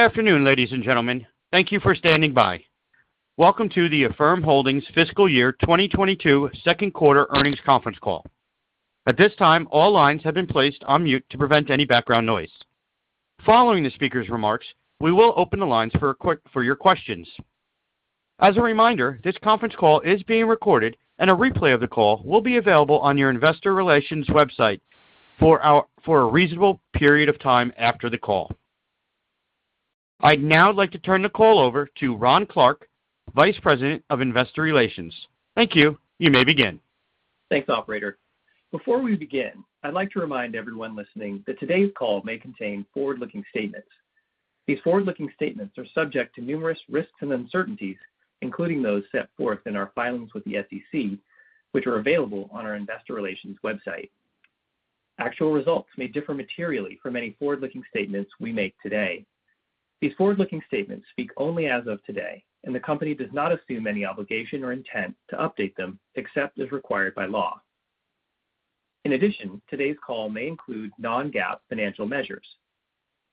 Good afternoon, ladies and gentlemen. Thank you for standing by. Welcome to the Affirm Holdings Fiscal Year 2022 second quarter earnings conference call. At this time, all lines have been placed on mute to prevent any background noise. Following the speaker's remarks, we will open the lines for your questions. As a reminder, this conference call is being recorded, and a replay of the call will be available on your investor relations website for a reasonable period of time after the call. I'd now like to turn the call over to Ron Clark, Vice President of Investor Relations. Thank you. You may begin. Thanks, operator. Before we begin, I'd like to remind everyone listening that today's call may contain forward-looking statements. These forward-looking statements are subject to numerous risks and uncertainties, including those set forth in our filings with the SEC, which are available on our investor relations website. Actual results may differ materially from any forward-looking statements we make today. These forward-looking statements speak only as of today, and the company does not assume any obligation or intent to update them except as required by law. In addition, today's call may include non-GAAP financial measures.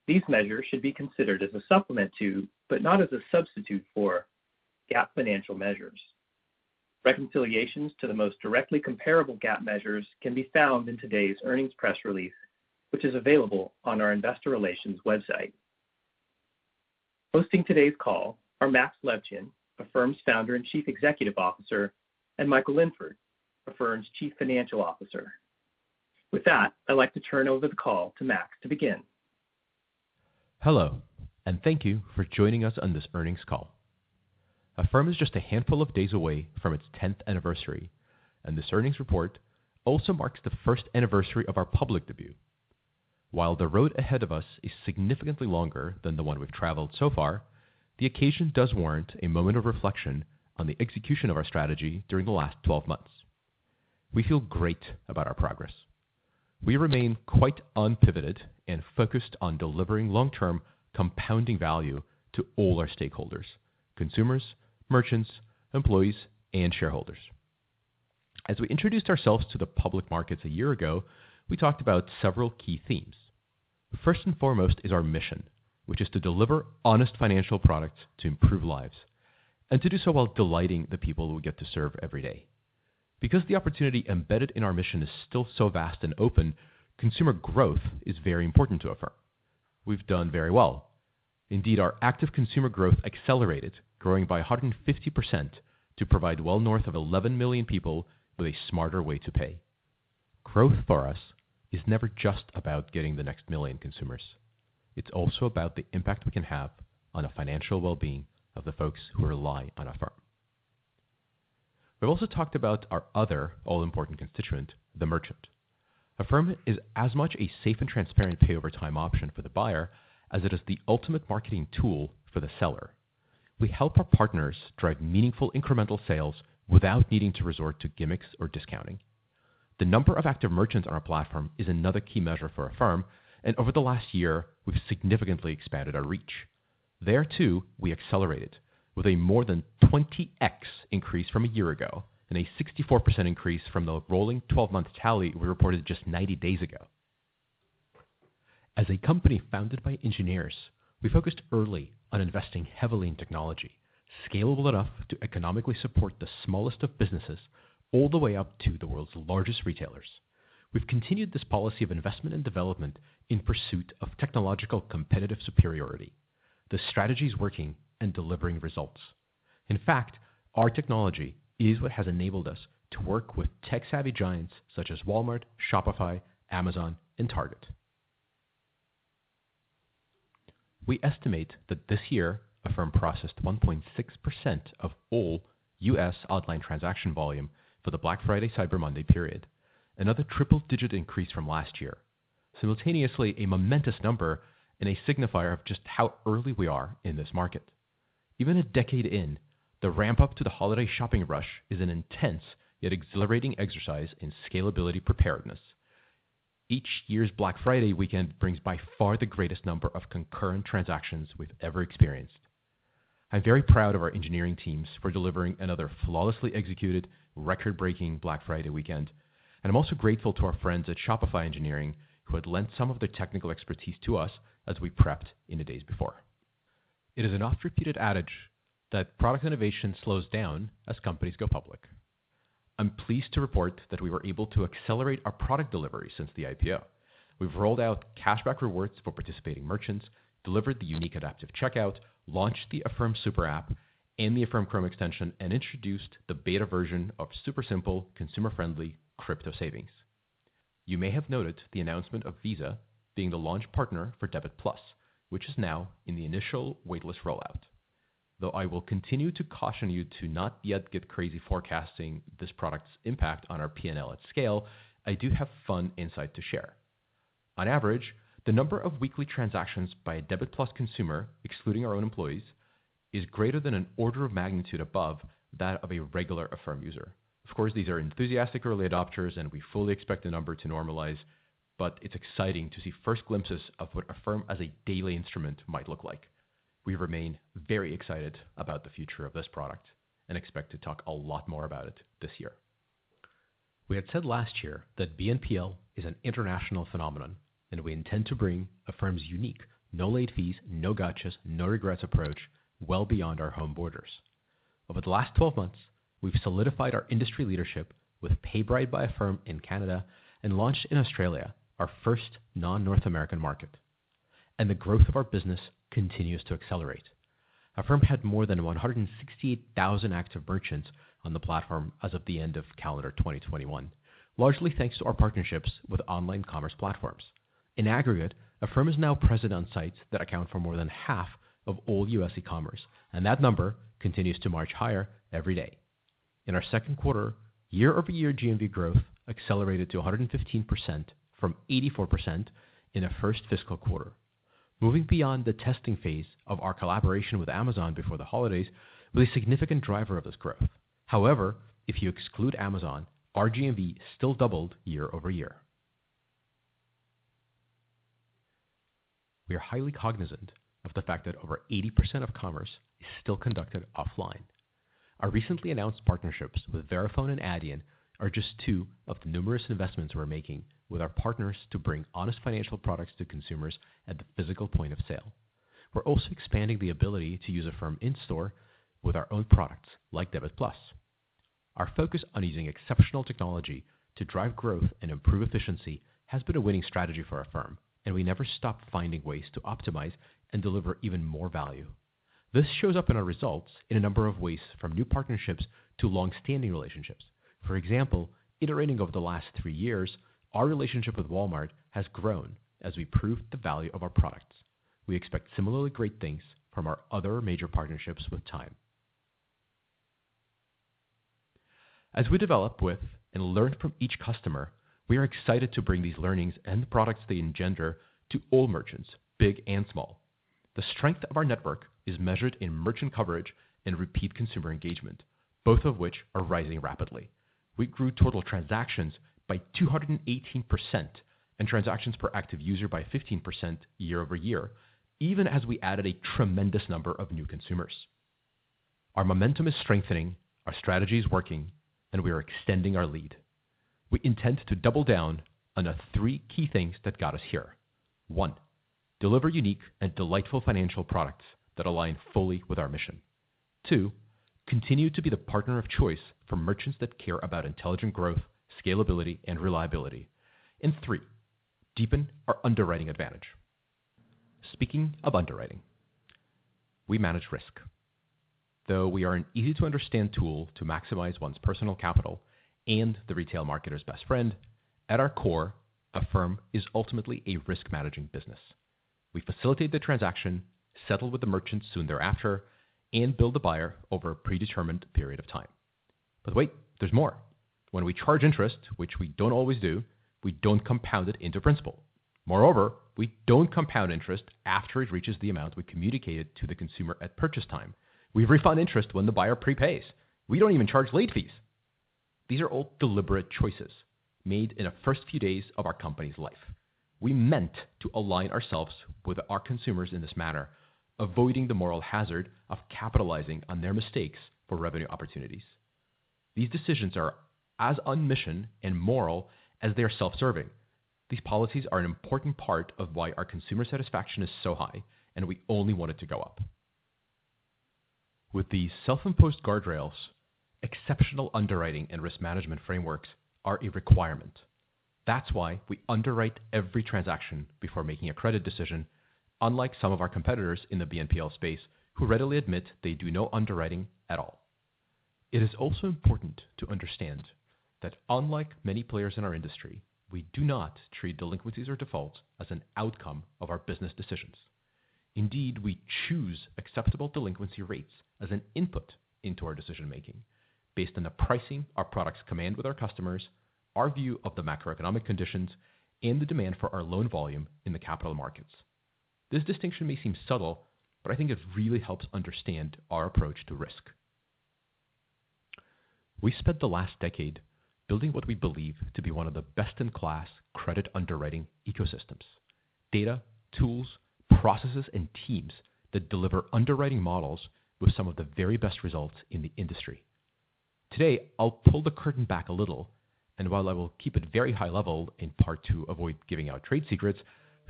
These measures should be considered as a supplement to, but not as a substitute for, GAAP financial measures. Reconciliations to the most directly comparable GAAP measures can be found in today's earnings press release, which is available on our investor relations website. Hosting today's call are Max Levchin, Affirm's Founder and Chief Executive Officer, and Michael Linford, Affirm's Chief Financial Officer. With that, I'd like to turn over the call to Max to begin. Hello, and thank you for joining us on this earnings call. Affirm is just a handful of days away from its tenth anniversary, and this earnings report also marks the first anniversary of our public debut. While the road ahead of us is significantly longer than the one we've traveled so far, the occasion does warrant a moment of reflection on the execution of our strategy during the last 12 months. We feel great about our progress. We remain quite unpivoted and focused on delivering long-term compounding value to all our stakeholders, consumers, merchants, employees, and shareholders. As we introduced ourselves to the public markets a year ago, we talked about several key themes. The first and foremost is our mission, which is to deliver honest financial products to improve lives and to do so while delighting the people we get to serve every day. Because the opportunity embedded in our mission is still so vast and open, consumer growth is very important to Affirm. We've done very well. Indeed, our active consumer growth accelerated, growing by 150% to provide well north of 11 million people with a smarter way to pay. Growth for us is never just about getting the next million consumers. It's also about the impact we can have on the financial well-being of the folks who rely on Affirm. We've also talked about our other all-important constituent, the merchant. Affirm is as much a safe and transparent pay over time option for the buyer as it is the ultimate marketing tool for the seller. We help our partners drive meaningful incremental sales without needing to resort to gimmicks or discounting. The number of active merchants on our platform is another key measure for Affirm, and over the last year, we've significantly expanded our reach. There, too, we accelerated with a more than 20x increase from a year ago and a 64% increase from the rolling 12-month tally we reported just 90 days ago. As a company founded by engineers, we focused early on investing heavily in technology, scalable enough to economically support the smallest of businesses all the way up to the world's largest retailers. We've continued this policy of investment and development in pursuit of technological competitive superiority. The strategy is working and delivering results. In fact, our technology is what has enabled us to work with tech-savvy giants such as Walmart, Shopify, Amazon, and Target. We estimate that this year, Affirm processed 1.6% of all U.S. online transaction volume for the Black Friday, Cyber Monday period. Another triple-digit increase from last year. Simultaneously, a momentous number and a signifier of just how early we are in this market. Even a decade in, the ramp-up to the holiday shopping rush is an intense yet exhilarating exercise in scalability preparedness. Each year's Black Friday weekend brings by far the greatest number of concurrent transactions we've ever experienced. I'm very proud of our engineering teams for delivering another flawlessly executed record-breaking Black Friday weekend, and I'm also grateful to our friends at Shopify Engineering, who had lent some of their technical expertise to us as we prepped in the days before. It is an oft-repeated adage that product innovation slows down as companies go public. I'm pleased to report that we were able to accelerate our product delivery since the IPO. We've rolled out cashback rewards for participating merchants, delivered the unique Adaptive Checkout, launched the Affirm SuperApp and the Affirm Chrome extension, and introduced the beta version of super simple, consumer-friendly crypto savings. You may have noted the announcement of Visa being the launch partner for Debit+, which is now in the initial waitlist rollout. Though I will continue to caution you to not yet get crazy forecasting this product's impact on our PNL at scale, I do have fun insight to share. On average, the number of weekly transactions by a Debit+ consumer, excluding our own employees, is greater than an order of magnitude above that of a regular Affirm user. Of course, these are enthusiastic early adopters, and we fully expect the number to normalize, but it's exciting to see first glimpses of what Affirm as a daily instrument might look like. We remain very excited about the future of this product and expect to talk a lot more about it this year. We had said last year that BNPL is an international phenomenon, and we intend to bring Affirm's unique no late fees, no gotchas, no regrets approach well beyond our home borders. Over the last 12 months, we've solidified our industry leadership with PayBright by Affirm in Canada and launched in Australia, our first non-North American market. The growth of our business continues to accelerate. Affirm had more than 168,000 active merchants on the platform as of the end of calendar 2021, largely thanks to our partnerships with online commerce platforms. In aggregate, Affirm is now present on sites that account for more than half of all U.S. e-commerce, and that number continues to march higher every day. In our second quarter, year-over-year GMV growth accelerated to 115% from 84% in the first fiscal quarter. Moving beyond the testing phase of our collaboration with Amazon before the holidays was a significant driver of this growth. However, if you exclude Amazon, our GMV still doubled year over year. We are highly cognizant of the fact that over 80% of commerce is still conducted offline. Our recently announced partnerships with Verifone and Adyen are just two of the numerous investments we're making with our partners to bring honest financial products to consumers at the physical point of sale. We're also expanding the ability to use Affirm in-store with our own products like Debit+. Our focus on using exceptional technology to drive growth and improve efficiency has been a winning strategy for Affirm, and we never stop finding ways to optimize and deliver even more value. This shows up in our results in a number of ways, from new partnerships to long-standing relationships. For example, iterating over the last three years, our relationship with Walmart has grown as we proved the value of our products. We expect similarly great things from our other major partnerships with time. As we develop with and learn from each customer, we are excited to bring these learnings and the products they engender to all merchants, big and small. The strength of our network is measured in merchant coverage and repeat consumer engagement, both of which are rising rapidly. We grew total transactions by 218% and transactions per active user by 15% year-over-year, even as we added a tremendous number of new consumers. Our momentum is strengthening, our strategy is working, and we are extending our lead. We intend to double down on the three key things that got us here. One, deliver unique and delightful financial products that align fully with our mission. Two, continue to be the partner of choice for merchants that care about intelligent growth, scalability, and reliability. And three, deepen our underwriting advantage. Speaking of underwriting, we manage risk. Though we are an easy-to-understand tool to maximize one's personal capital and the retail marketer's best friend, at our core, Affirm is ultimately a risk managing business. We facilitate the transaction, settle with the merchant soon thereafter, and bill the buyer over a predetermined period of time. Wait, there's more. When we charge interest, which we don't always do, we don't compound it into principal. Moreover, we don't compound interest after it reaches the amount we communicated to the consumer at purchase time. We refund interest when the buyer prepays. We don't even charge late fees. These are all deliberate choices made in the first few days of our company's life. We meant to align ourselves with our consumers in this manner, avoiding the moral hazard of capitalizing on their mistakes for revenue opportunities. These decisions are as missional and moral as they are self-serving. These policies are an important part of why our consumer satisfaction is so high, and we only want it to go up. With these self-imposed guardrails, exceptional underwriting and risk management frameworks are a requirement. That's why we underwrite every transaction before making a credit decision, unlike some of our competitors in the BNPL space who readily admit they do no underwriting at all. It is also important to understand that unlike many players in our industry, we do not treat delinquencies or defaults as an outcome of our business decisions. Indeed, we choose acceptable delinquency rates as an input into our decision-making based on the pricing our products command with our customers, our view of the macroeconomic conditions, and the demand for our loan volume in the capital markets. This distinction may seem subtle, but I think it really helps understand our approach to risk. We spent the last decade building what we believe to be one of the best-in-class credit underwriting ecosystems, data, tools, processes, and teams that deliver underwriting models with some of the very best results in the industry. Today, I'll pull the curtain back a little, and while I will keep it very high level, in part to avoid giving out trade secrets,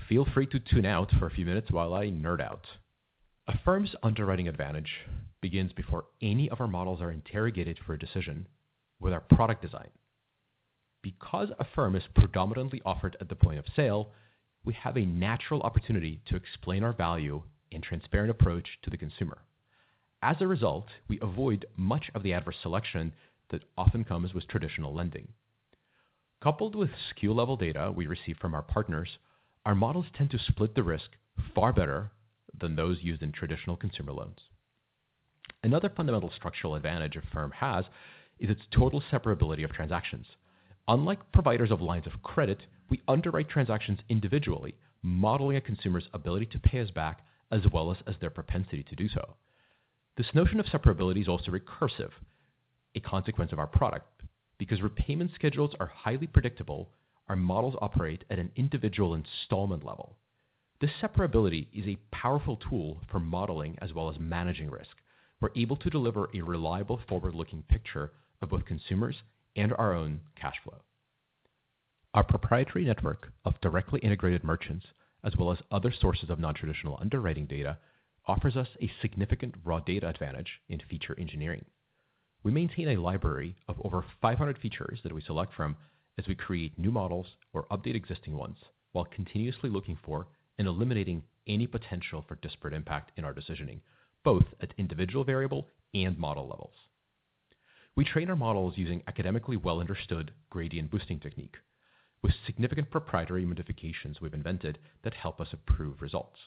feel free to tune out for a few minutes while I nerd out. Affirm's underwriting advantage begins before any of our models are interrogated for a decision with our product design. Because Affirm is predominantly offered at the point of sale, we have a natural opportunity to explain our value and transparent approach to the consumer. As a result, we avoid much of the adverse selection that often comes with traditional lending. Coupled with SKU-level data we receive from our partners, our models tend to split the risk far better than those used in traditional consumer loans. Another fundamental structural advantage Affirm has is its total separability of transactions. Unlike providers of lines of credit, we underwrite transactions individually, modeling a consumer's ability to pay us back as well as their propensity to do so. This notion of separability is also recursive, a consequence of our product. Because repayment schedules are highly predictable, our models operate at an individual installment level. This separability is a powerful tool for modeling as well as managing risk. We're able to deliver a reliable forward-looking picture of both consumers and our own cash flow. Our proprietary network of directly integrated merchants, as well as other sources of non-traditional underwriting data, offers us a significant raw data advantage into feature engineering. We maintain a library of over 500 features that we select from as we create new models or update existing ones, while continuously looking for and eliminating any potential for disparate impact in our decisioning, both at individual variable and model levels. We train our models using academically well-understood gradient boosting technique with significant proprietary modifications we've invented that help us improve results.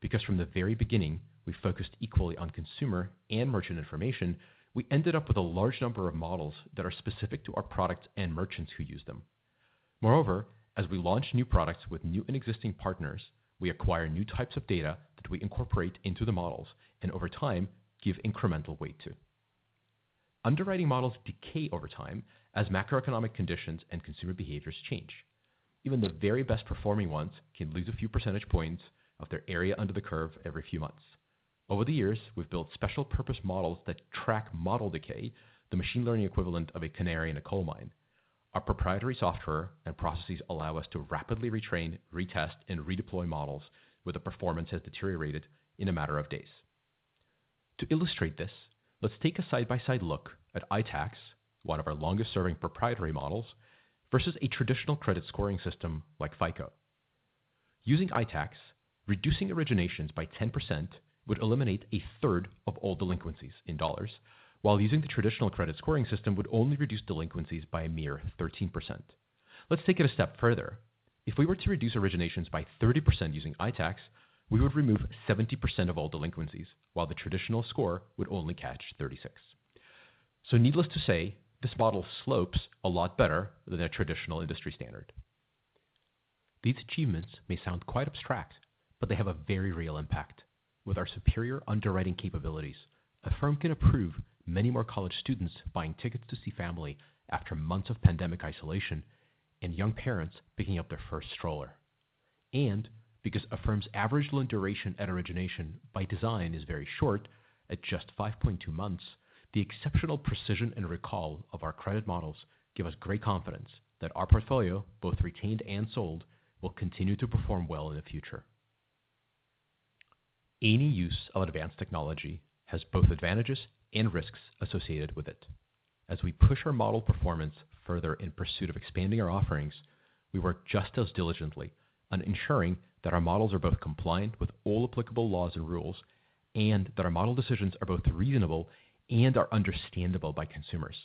Because from the very beginning, we focused equally on consumer and merchant information, we ended up with a large number of models that are specific to our product and merchants who use them. Moreover, as we launch new products with new and existing partners, we acquire new types of data that we incorporate into the models, and over time, give incremental weight to. Underwriting models decay over time as macroeconomic conditions and consumer behaviors change. Even the very best-performing ones can lose a few percentage points of their area under the curve every few months. Over the years, we've built special-purpose models that track model decay, the machine learning equivalent of a canary in a coal mine. Our proprietary software and processes allow us to rapidly retrain, retest, and redeploy models where the performance has deteriorated in a matter of days. To illustrate this, let's take a side-by-side look at ITACS, one of our longest-serving proprietary models, versus a traditional credit scoring system like FICO. Using ITACS, reducing originations by 10% would eliminate a third of all delinquencies in dollars, while using the traditional credit scoring system would only reduce delinquencies by a mere 13%. Let's take it a step further. If we were to reduce originations by 30% using ITACS, we would remove 70% of all delinquencies, while the traditional score would only catch 36%. Needless to say, this model slopes a lot better than a traditional industry standard. These achievements may sound quite abstract, but they have a very real impact. With our superior underwriting capabilities, Affirm can approve many more college students buying tickets to see family after months of pandemic isolation and young parents picking up their first stroller. Because Affirm's average loan duration at origination by design is very short, at just 5.2 months, the exceptional precision and recall of our credit models give us great confidence that our portfolio, both retained and sold, will continue to perform well in the future. Any use of advanced technology has both advantages and risks associated with it. As we push our model performance further in pursuit of expanding our offerings, we work just as diligently on ensuring that our models are both compliant with all applicable laws and rules, and that our model decisions are both reasonable and are understandable by consumers.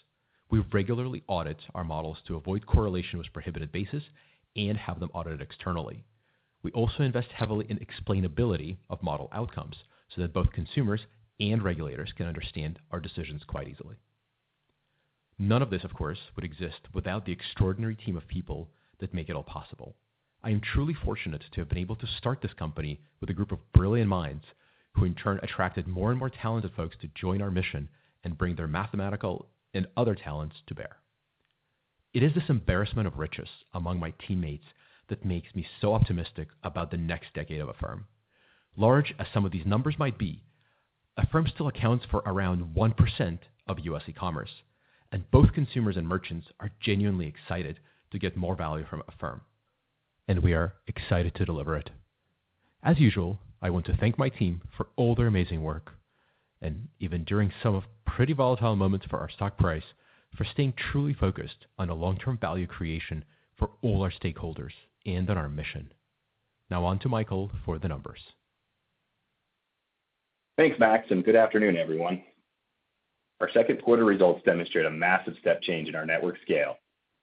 We regularly audit our models to avoid correlation with prohibited basis and have them audited externally. We also invest heavily in explainability of model outcomes so that both consumers and regulators can understand our decisions quite easily. None of this, of course, would exist without the extraordinary team of people that make it all possible. I am truly fortunate to have been able to start this company with a group of brilliant minds who in turn attracted more and more talented folks to join our mission and bring their mathematical and other talents to bear. It is this embarrassment of riches among my teammates that makes me so optimistic about the next decade of Affirm. Large as some of these numbers might be, Affirm still accounts for around 1% of U.S. e-commerce, and both consumers and merchants are genuinely excited to get more value from Affirm, and we are excited to deliver it. As usual, I want to thank my team for all their amazing work, and even during some of pretty volatile moments for our stock price, for staying truly focused on the long-term value creation for all our stakeholders and on our mission. Now on to Michael for the numbers. Thanks, Max, and good afternoon, everyone. Our second quarter results demonstrate a massive step change in our network scale,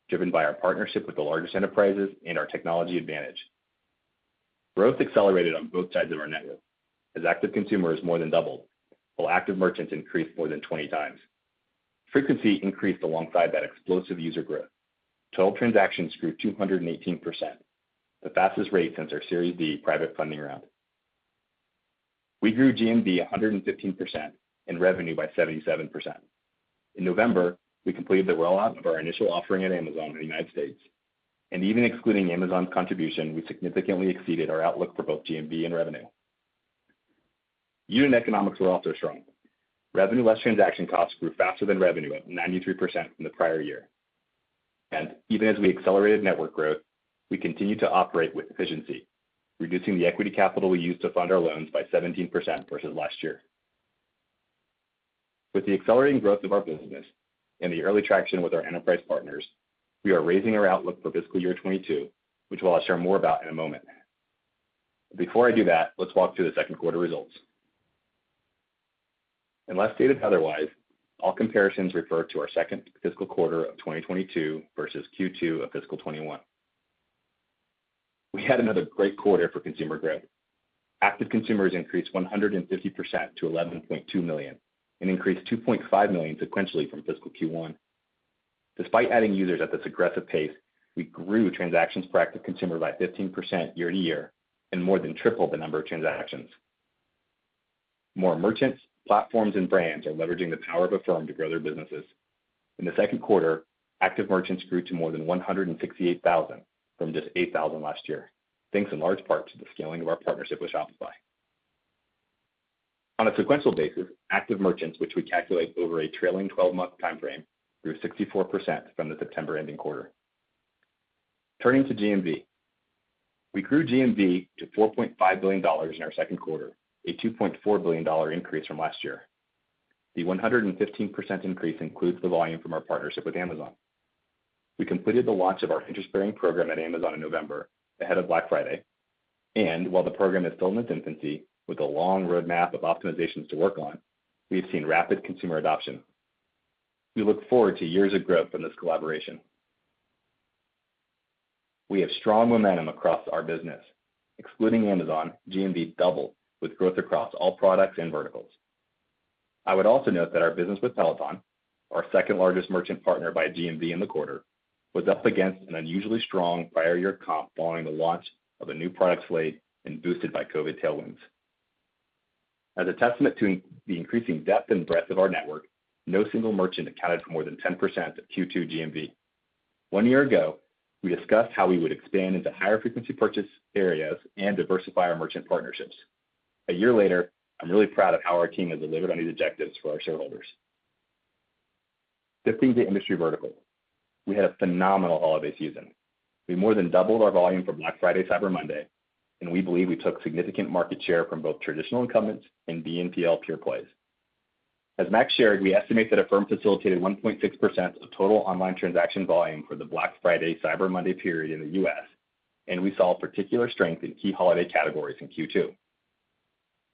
driven by our partnership with the largest enterprises and our technology advantage. Growth accelerated on both sides of our network, as active consumers more than doubled, while active merchants increased more than 20 times. Frequency increased alongside that explosive user growth. Total transactions grew 218%, the fastest rate since our Series D private funding round. We grew GMV 115% and revenue by 77%. In November, we completed the rollout of our initial offering at Amazon in the United States, and even excluding Amazon's contribution, we significantly exceeded our outlook for both GMV and revenue. Unit economics were also strong. Revenue less transaction costs grew faster than revenue at 93% from the prior year. Even as we accelerated network growth, we continued to operate with efficiency, reducing the equity capital we used to fund our loans by 17% versus last year. With the accelerating growth of our business and the early traction with our enterprise partners, we are raising our outlook for fiscal year 2022, which I'll share more about in a moment. Before I do that, let's walk through the second quarter results. Unless stated otherwise, all comparisons refer to our second fiscal quarter of 2022 versus Q2 of fiscal 2021. We had another great quarter for consumer growth. Active consumers increased 150% to 11.2 million and increased 2.5 million sequentially from fiscal Q1. Despite adding users at this aggressive pace, we grew transactions per active consumer by 15% year-over-year and more than tripled the number of transactions. More merchants, platforms and brands are leveraging the power of Affirm to grow their businesses. In the second quarter, active merchants grew to more than 168,000 from just 8,000 last year. Thanks in large part to the scaling of our partnership with Shopify. On a sequential basis, active merchants, which we calculate over a trailing twelve-month time frame, grew 64% from the September ending quarter. Turning to GMV. We grew GMV to $4.5 billion in our second quarter, a $2.4 billion increase from last year. The 115% increase includes the volume from our partnership with Amazon. We completed the launch of our interest-bearing program at Amazon in November ahead of Black Friday. While the program is still in its infancy with a long road map of optimizations to work on, we have seen rapid consumer adoption. We look forward to years of growth from this collaboration. We have strong momentum across our business. Excluding Amazon, GMV doubled with growth across all products and verticals. I would also note that our business with Peloton, our second-largest merchant partner by GMV in the quarter, was up against an unusually strong prior year comp following the launch of a new product slate and boosted by COVID tailwinds. As a testament to the increasing depth and breadth of our network, no single merchant accounted for more than 10% of Q2 GMV. One year ago, we discussed how we would expand into higher frequency purchase areas and diversify our merchant partnerships. A year later, I'm really proud of how our team has delivered on these objectives for our shareholders. Shifting to industry vertical. We had a phenomenal holiday season. We more than doubled our volume from Black Friday, Cyber Monday, and we believe we took significant market share from both traditional incumbents and BNPL pure plays. As Max shared, we estimate that Affirm facilitated 1.6% of total online transaction volume for the Black Friday, Cyber Monday period in the U.S., and we saw particular strength in key holiday categories in Q2.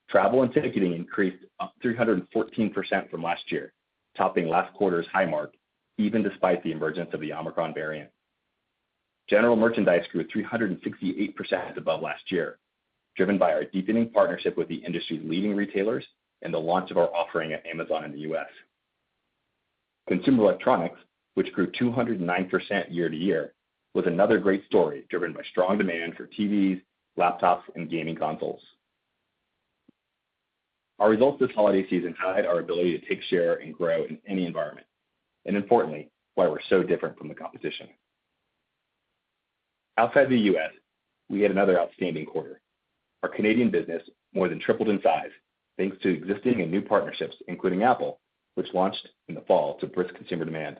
Travel and ticketing increased up 314% from last year, topping last quarter's high mark, even despite the emergence of the Omicron variant. General merchandise grew 368% above last year, driven by our deepening partnership with the industry's leading retailers and the launch of our offering at Amazon in the U.S. Consumer electronics, which grew 209% year-over-year, was another great story, driven by strong demand for TVs, laptops, and gaming consoles. Our results this holiday season highlight our ability to take share and grow in any environment, and importantly, why we're so different from the competition. Outside the U.S., we had another outstanding quarter. Our Canadian business more than tripled in size, thanks to existing and new partnerships, including Apple, which launched in the fall to brisk consumer demand.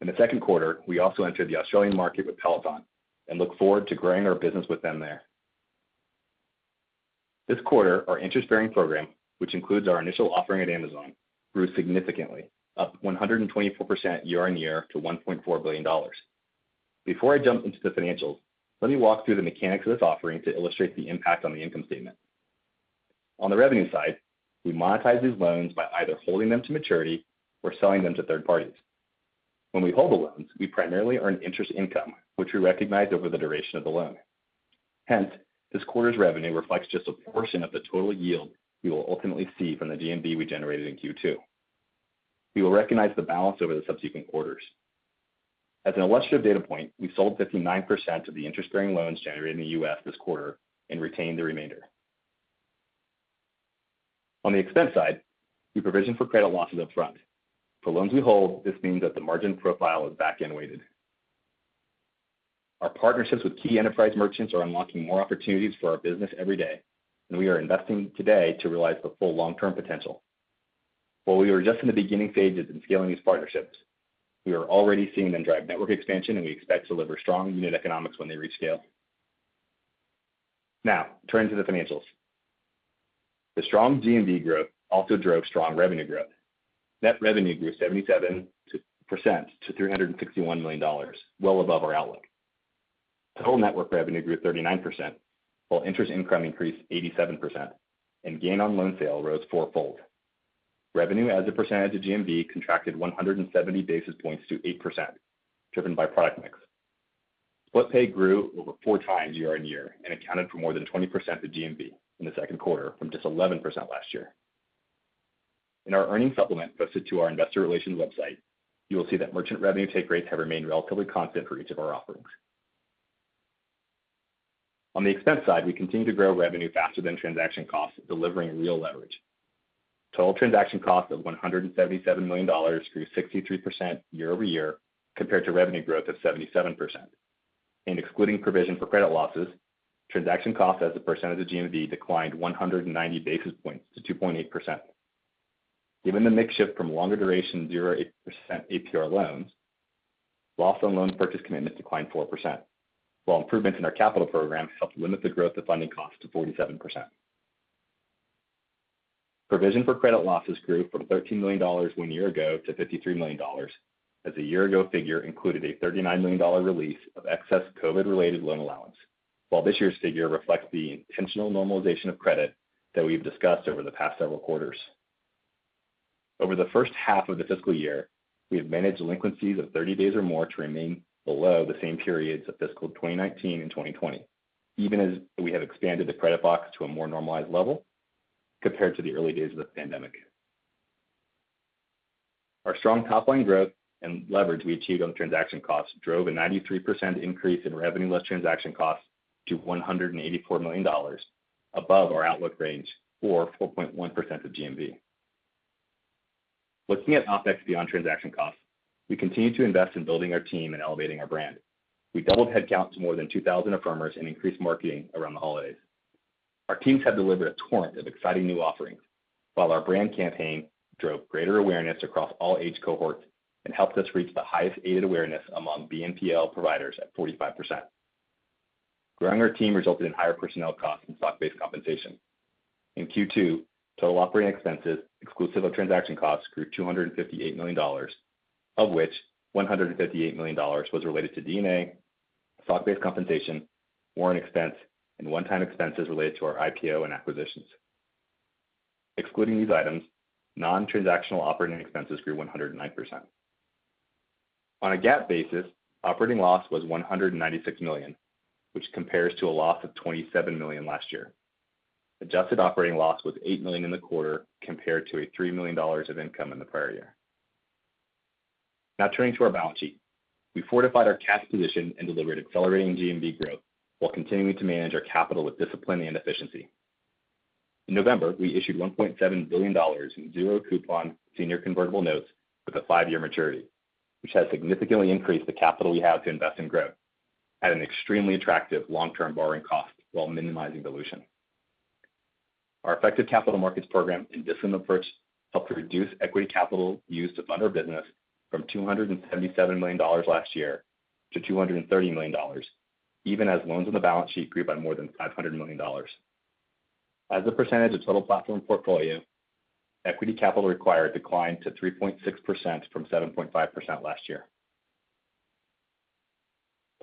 In the second quarter, we also entered the Australian market with Peloton and look forward to growing our business with them there. This quarter, our interest-bearing program, which includes our initial offering at Amazon, grew significantly, up 124% year-on-year to $1.4 billion. Before I jump into the financials, let me walk through the mechanics of this offering to illustrate the impact on the income statement. On the revenue side, we monetize these loans by either holding them to maturity or selling them to third parties. When we hold the loans, we primarily earn interest income, which we recognize over the duration of the loan. Hence, this quarter's revenue reflects just a portion of the total yield we will ultimately see from the GMV we generated in Q2. We will recognize the balance over the subsequent quarters. As an illustrative data point, we sold 59% of the interest-bearing loans generated in the U.S. this quarter and retained the remainder. On the expense side, we provision for credit losses upfront. For loans we hold, this means that the margin profile is back-end weighted. Our partnerships with key enterprise merchants are unlocking more opportunities for our business every day, and we are investing today to realize the full long-term potential. While we are just in the beginning stages in scaling these partnerships, we are already seeing them drive network expansion, and we expect to deliver strong unit economics when they reach scale. Now turning to the financials. The strong GMV growth also drove strong revenue growth. Net revenue grew 77% to $361 million, well above our outlook. Total network revenue grew 39%, while interest income increased 87%, and gain on loan sale rose four-fold. Revenue as a percentage of GMV contracted 170 basis points to 8%, driven by product mix. Split pay grew over four times year-over-year and accounted for more than 20% of GMV in the second quarter from just 11% last year. In our earnings supplement posted to our investor relations website, you will see that merchant revenue take rates have remained relatively constant for each of our offerings. On the expense side, we continue to grow revenue faster than transaction costs, delivering real leverage. Total transaction costs of $177 million grew 63% year-over-year compared to revenue growth of 77%. Excluding provision for credit losses, transaction costs as a percent of the GMV declined 190 basis points to 2.8%. Given the mix shift from longer duration 0% APR loans, loss on loan purchase commitments declined 4%, while improvements in our capital program helped limit the growth of funding costs to 47%. Provision for credit losses grew from $13 million one year ago to $53 million as a year ago figure included a $39 million release of excess COVID-related loan allowance, while this year's figure reflects the intentional normalization of credit that we've discussed over the past several quarters. Over the first half of the fiscal year, we have managed delinquencies of 30 days or more to remain below the same periods of fiscal 2019 and 2020, even as we have expanded the credit box to a more normalized level compared to the early days of the pandemic. Our strong top line growth and leverage we achieved on transaction costs drove a 93% increase in revenue less transaction costs to $184 million above our outlook range, or 4.1% of GMV. Looking at OpEx beyond transaction costs, we continue to invest in building our team and elevating our brand. We doubled headcount to more than 2,000 Affirmers and increased marketing around the holidays. Our teams have delivered a torrent of exciting new offerings, while our brand campaign drove greater awareness across all age cohorts and helped us reach the highest aided awareness among BNPL providers at 45%. Growing our team resulted in higher personnel costs and stock-based compensation. In Q2, total operating expenses exclusive of transaction costs grew $258 million, of which $158 million was related to D&A, stock-based compensation, warrant expense, and one-time expenses related to our IPO and acquisitions. Excluding these items, non-transactional operating expenses grew 109%. On a GAAP basis, operating loss was $196 million, which compares to a loss of $27 million last year. Adjusted operating loss was $8 million in the quarter compared to $3 million of income in the prior year. Now turning to our balance sheet. We fortified our cash position and delivered accelerating GMV growth while continuing to manage our capital with discipline and efficiency. In November, we issued $1.7 billion in zero coupon senior convertible notes with a five-year maturity, which has significantly increased the capital we have to invest in growth at an extremely attractive long-term borrowing cost while minimizing dilution. Our effective capital markets program and discipline approach helped to reduce equity capital used to fund our business from $277 million last year to $230 million, even as loans on the balance sheet grew by more than $500 million. As a percentage of total platform portfolio, equity capital required declined to 3.6% from 7.5% last year.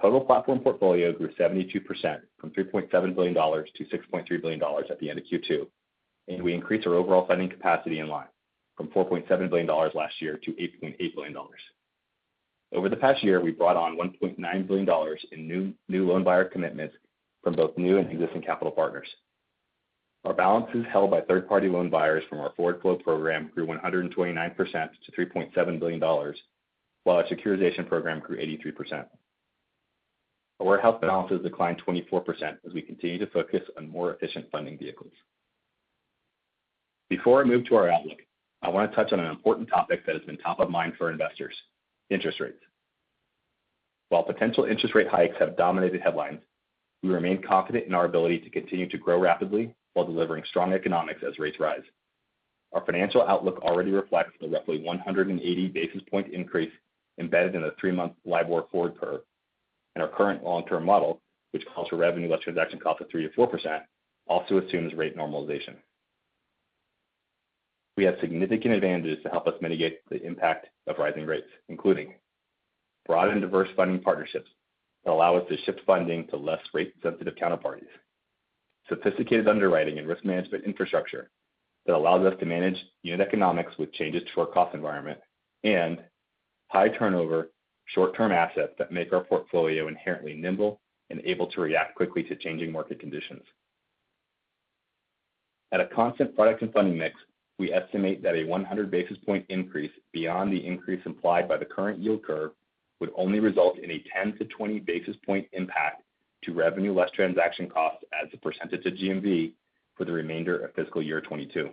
Total platform portfolio grew 72% from $3.7 billion to $6.3 billion at the end of Q2, and we increased our overall funding capacity in line from $4.7 billion last year to $8.8 billion. Over the past year, we brought on $1.9 billion in new loan buyer commitments from both new and existing capital partners. Our balances held by third-party loan buyers from our forward flow program grew 129% to $3.7 billion, while our securitization program grew 83%. Our warehouse balances declined 24% as we continue to focus on more efficient funding vehicles. Before I move to our outlook, I want to touch on an important topic that has been top of mind for investors, interest rates. While potential interest rate hikes have dominated headlines, we remain confident in our ability to continue to grow rapidly while delivering strong economics as rates rise. Our financial outlook already reflects the roughly 180 basis point increase embedded in a three-month LIBOR forward curve. Our current long-term model, which calls for revenue less transaction cost of 3%-4%, also assumes rate normalization. We have significant advantages to help us mitigate the impact of rising rates, including broad and diverse funding partnerships that allow us to ship funding to less rate-sensitive counterparties, sophisticated underwriting and risk management infrastructure that allows us to manage unit economics with changes to our cost environment, and high turnover short-term assets that make our portfolio inherently nimble and able to react quickly to changing market conditions. At a constant product and funding mix, we estimate that a 100 basis point increase beyond the increase implied by the current yield curve would only result in a 10-20 basis point impact to revenue less transaction costs as a percentage of GMV for the remainder of fiscal year 2022.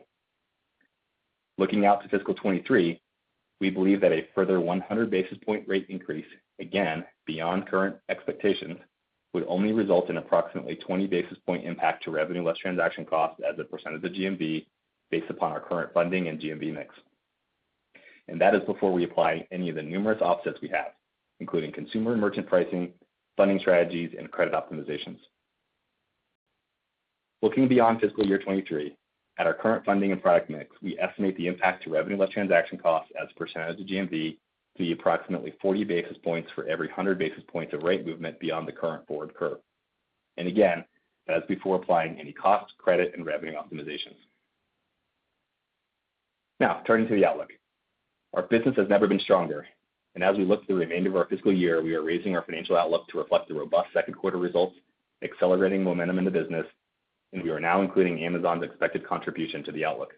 Looking out to fiscal 2023, we believe that a further 100 basis point rate increase, again, beyond current expectations, would only result in approximately 20 basis point impact to revenue less transaction costs as a percentage of GMV based upon our current funding and GMV mix. That is before we apply any of the numerous offsets we have, including consumer and merchant pricing, funding strategies, and credit optimizations. Looking beyond fiscal year 2023, at our current funding and product mix, we estimate the impact to revenue less transaction costs as a percentage of GMV to be approximately 40 basis points for every 100 basis points of rate movement beyond the current forward curve. Again, that is before applying any cost, credit, and revenue optimizations. Now, turning to the outlook. Our business has never been stronger. As we look to the remainder of our fiscal year, we are raising our financial outlook to reflect the robust second quarter results, accelerating momentum in the business, and we are now including Amazon's expected contribution to the outlook.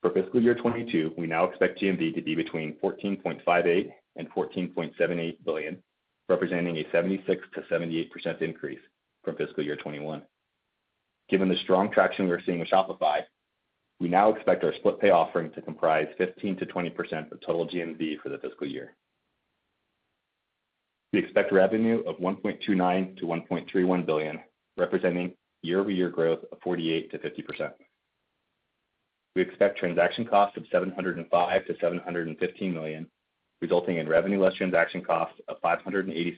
For fiscal year 2022, we now expect GMV to be between 14.58 billion and 14.78 billion, representing a 76%-78% increase from fiscal year 2021. Given the strong traction we are seeing with Shopify, we now expect our split pay offering to comprise 15%-20% of total GMV for the fiscal year. We expect revenue of $1.29 billion-$1.31 billion, representing year-over-year growth of 48%-50%. We expect transaction costs of $705 million-$715 million, resulting in revenue less transaction costs of $585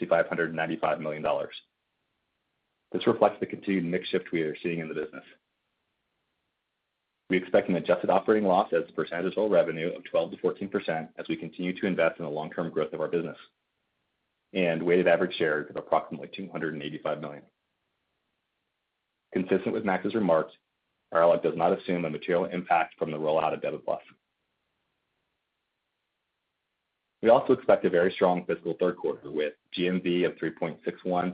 million-$595 million. This reflects the continued mix shift we are seeing in the business. We expect an adjusted operating loss as a percentage of total revenue of 12%-14% as we continue to invest in the long-term growth of our business, and weighted average shares of approximately 285 million. Consistent with Max's remarks, our outlook does not assume a material impact from the rollout of Debit+. We expect a very strong fiscal third quarter with GMV of $3.61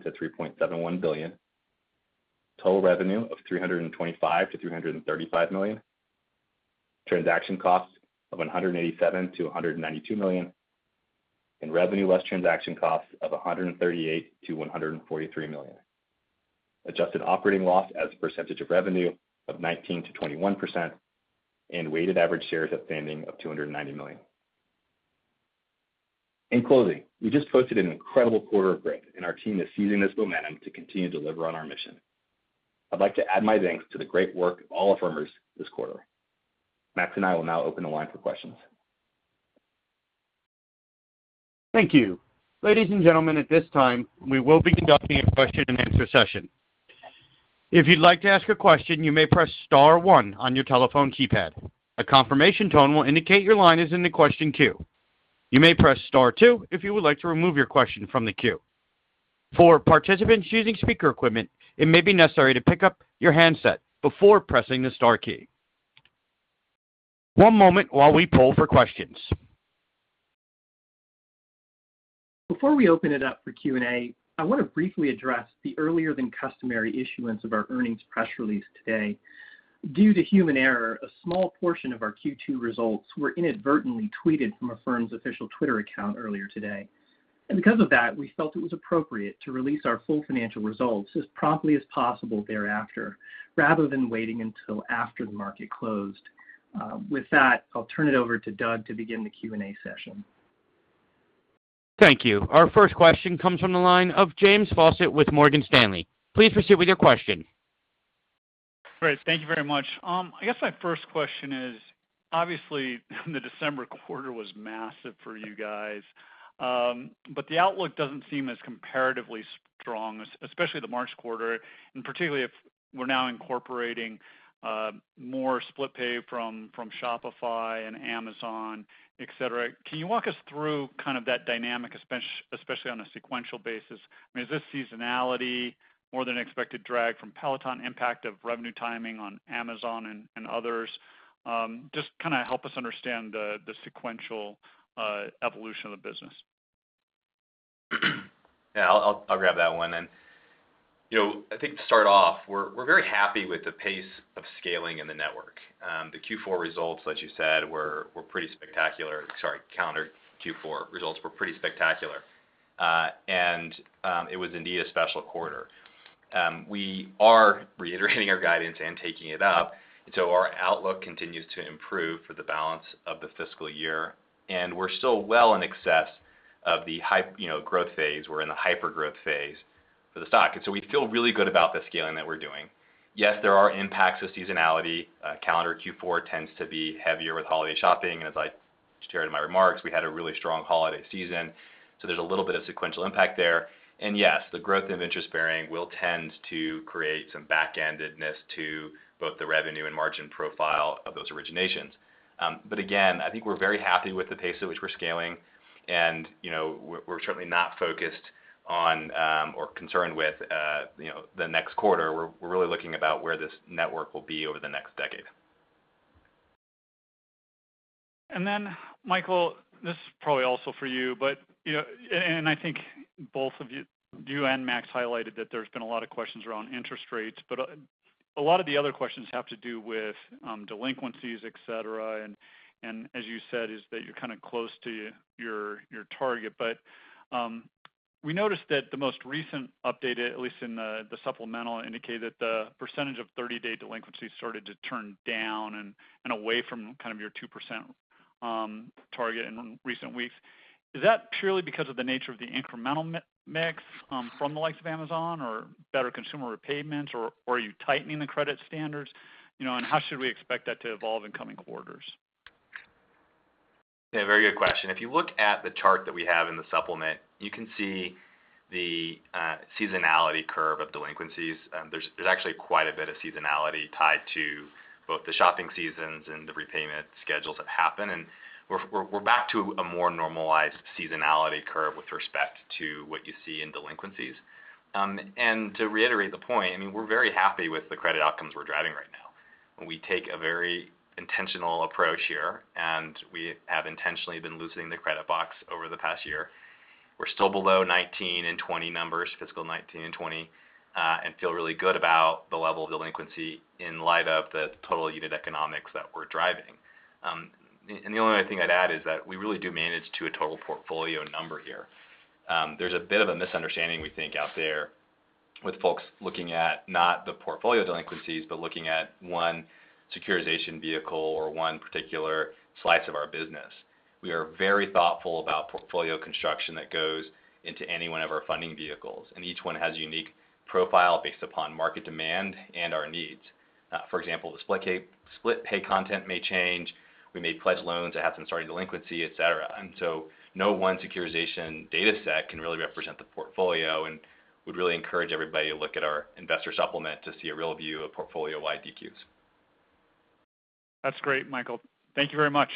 billion-$3.71 billion. Total revenue of $325 million-$335 million. Transaction costs of $187 million-$192 million. Revenue less transaction costs of $138 million-$143 million. Adjusted operating loss as a percentage of revenue of 19%-21% and weighted average shares outstanding of 290 million. In closing, we just posted an incredible quarter of growth, and our team is seizing this momentum to continue to deliver on our mission. I'd like to add my thanks to the great work of all Affirmers this quarter. Max and I will now open the line for questions. Thank you. Ladies and gentlemen, at this time, we will be conducting a question-and-answer session. If you'd like to ask a question, you may press star one on your telephone keypad. A confirmation tone will indicate your line is in the question queue. You may press star two if you would like to remove your question from the queue. For participants using speaker equipment, it may be necessary to pick up your handset before pressing the star key. One moment while we poll for questions. Before we open it up for Q&A, I want to briefly address the earlier than customary issuance of our earnings press release today. Due to human error, a small portion of our Q2 results were inadvertently tweeted from Affirm's official Twitter account earlier today. Because of that, we felt it was appropriate to release our full financial results as promptly as possible thereafter, rather than waiting until after the market closed. With that, I'll turn it over to Doug to begin the Q&A session. Thank you. Our first question comes from the line of James Faucette with Morgan Stanley. Please proceed with your question. Great. Thank you very much. I guess my first question is, obviously, the December quarter was massive for you guys, but the outlook doesn't seem as comparatively strong, especially the March quarter, and particularly if we're now incorporating more split pay from Shopify and Amazon, et cetera. Can you walk us through kind of that dynamic, especially on a sequential basis? I mean, is this seasonality more than expected drag from Peloton impact of revenue timing on Amazon and others? Just kinda help us understand the sequential evolution of the business. Yeah, I'll grab that one then. You know, I think to start off, we're very happy with the pace of scaling in the network. The Q4 results, as you said, were pretty spectacular. Sorry, calendar Q4 results were pretty spectacular. It was indeed a special quarter. We are reiterating our guidance and taking it up. Our outlook continues to improve for the balance of the fiscal year, and we're still well in excess of the hype, you know, growth phase. We're in the hypergrowth phase for the stock. We feel really good about the scaling that we're doing. Yes, there are impacts of seasonality. Calendar Q4 tends to be heavier with holiday shopping. As I shared in my remarks, we had a really strong holiday season, so there's a little bit of sequential impact there. Yes, the growth of interest-bearing will tend to create some back-endedness to both the revenue and margin profile of those originations. Again, I think we're very happy with the pace at which we're scaling. You know, we're certainly not focused on, or concerned with, you know, the next quarter. We're really looking about where this network will be over the next decade. Then, Michael, this is probably also for you, but, you know, I think both of you and Max highlighted that there's been a lot of questions around interest rates, but a lot of the other questions have to do with delinquencies, et cetera. As you said, is that you're kinda close to your target. We noticed that the most recent update, at least in the supplemental, indicated the percentage of 30-day delinquencies started to turn down and away from kind of your 2% target in recent weeks. Is that purely because of the nature of the incremental mix from the likes of Amazon or better consumer repayments, or are you tightening the credit standards? You know, how should we expect that to evolve in coming quarters? Very good question. If you look at the chart that we have in the supplement, you can see the seasonality curve of delinquencies. There's actually quite a bit of seasonality tied to both the shopping seasons and the repayment schedules that happen. We're back to a more normalized seasonality curve with respect to what you see in delinquencies. To reiterate the point, I mean, we're very happy with the credit outcomes we're driving right now. We take a very intentional approach here, and we have intentionally been loosening the credit box over the past year. We're still below 2019 and 2020 numbers, fiscal 2019 and 2020, and feel really good about the level of delinquency in light of the total unit economics that we're driving. The only other thing I'd add is that we really do manage to a total portfolio number here. There's a bit of a misunderstanding, we think, out there with folks looking at not the portfolio delinquencies but looking at one securitization vehicle or one particular slice of our business. We are very thoughtful about portfolio construction that goes into any one of our funding vehicles, and each one has a unique profile based upon market demand and our needs. For example, the split pay content may change. We may pledge loans that have some sort of delinquency, et cetera. No one securitization data set can really represent the portfolio, and we'd really encourage everybody to look at our investor supplement to see a real view of portfolio-wide DQs. That's great, Michael. Thank you very much.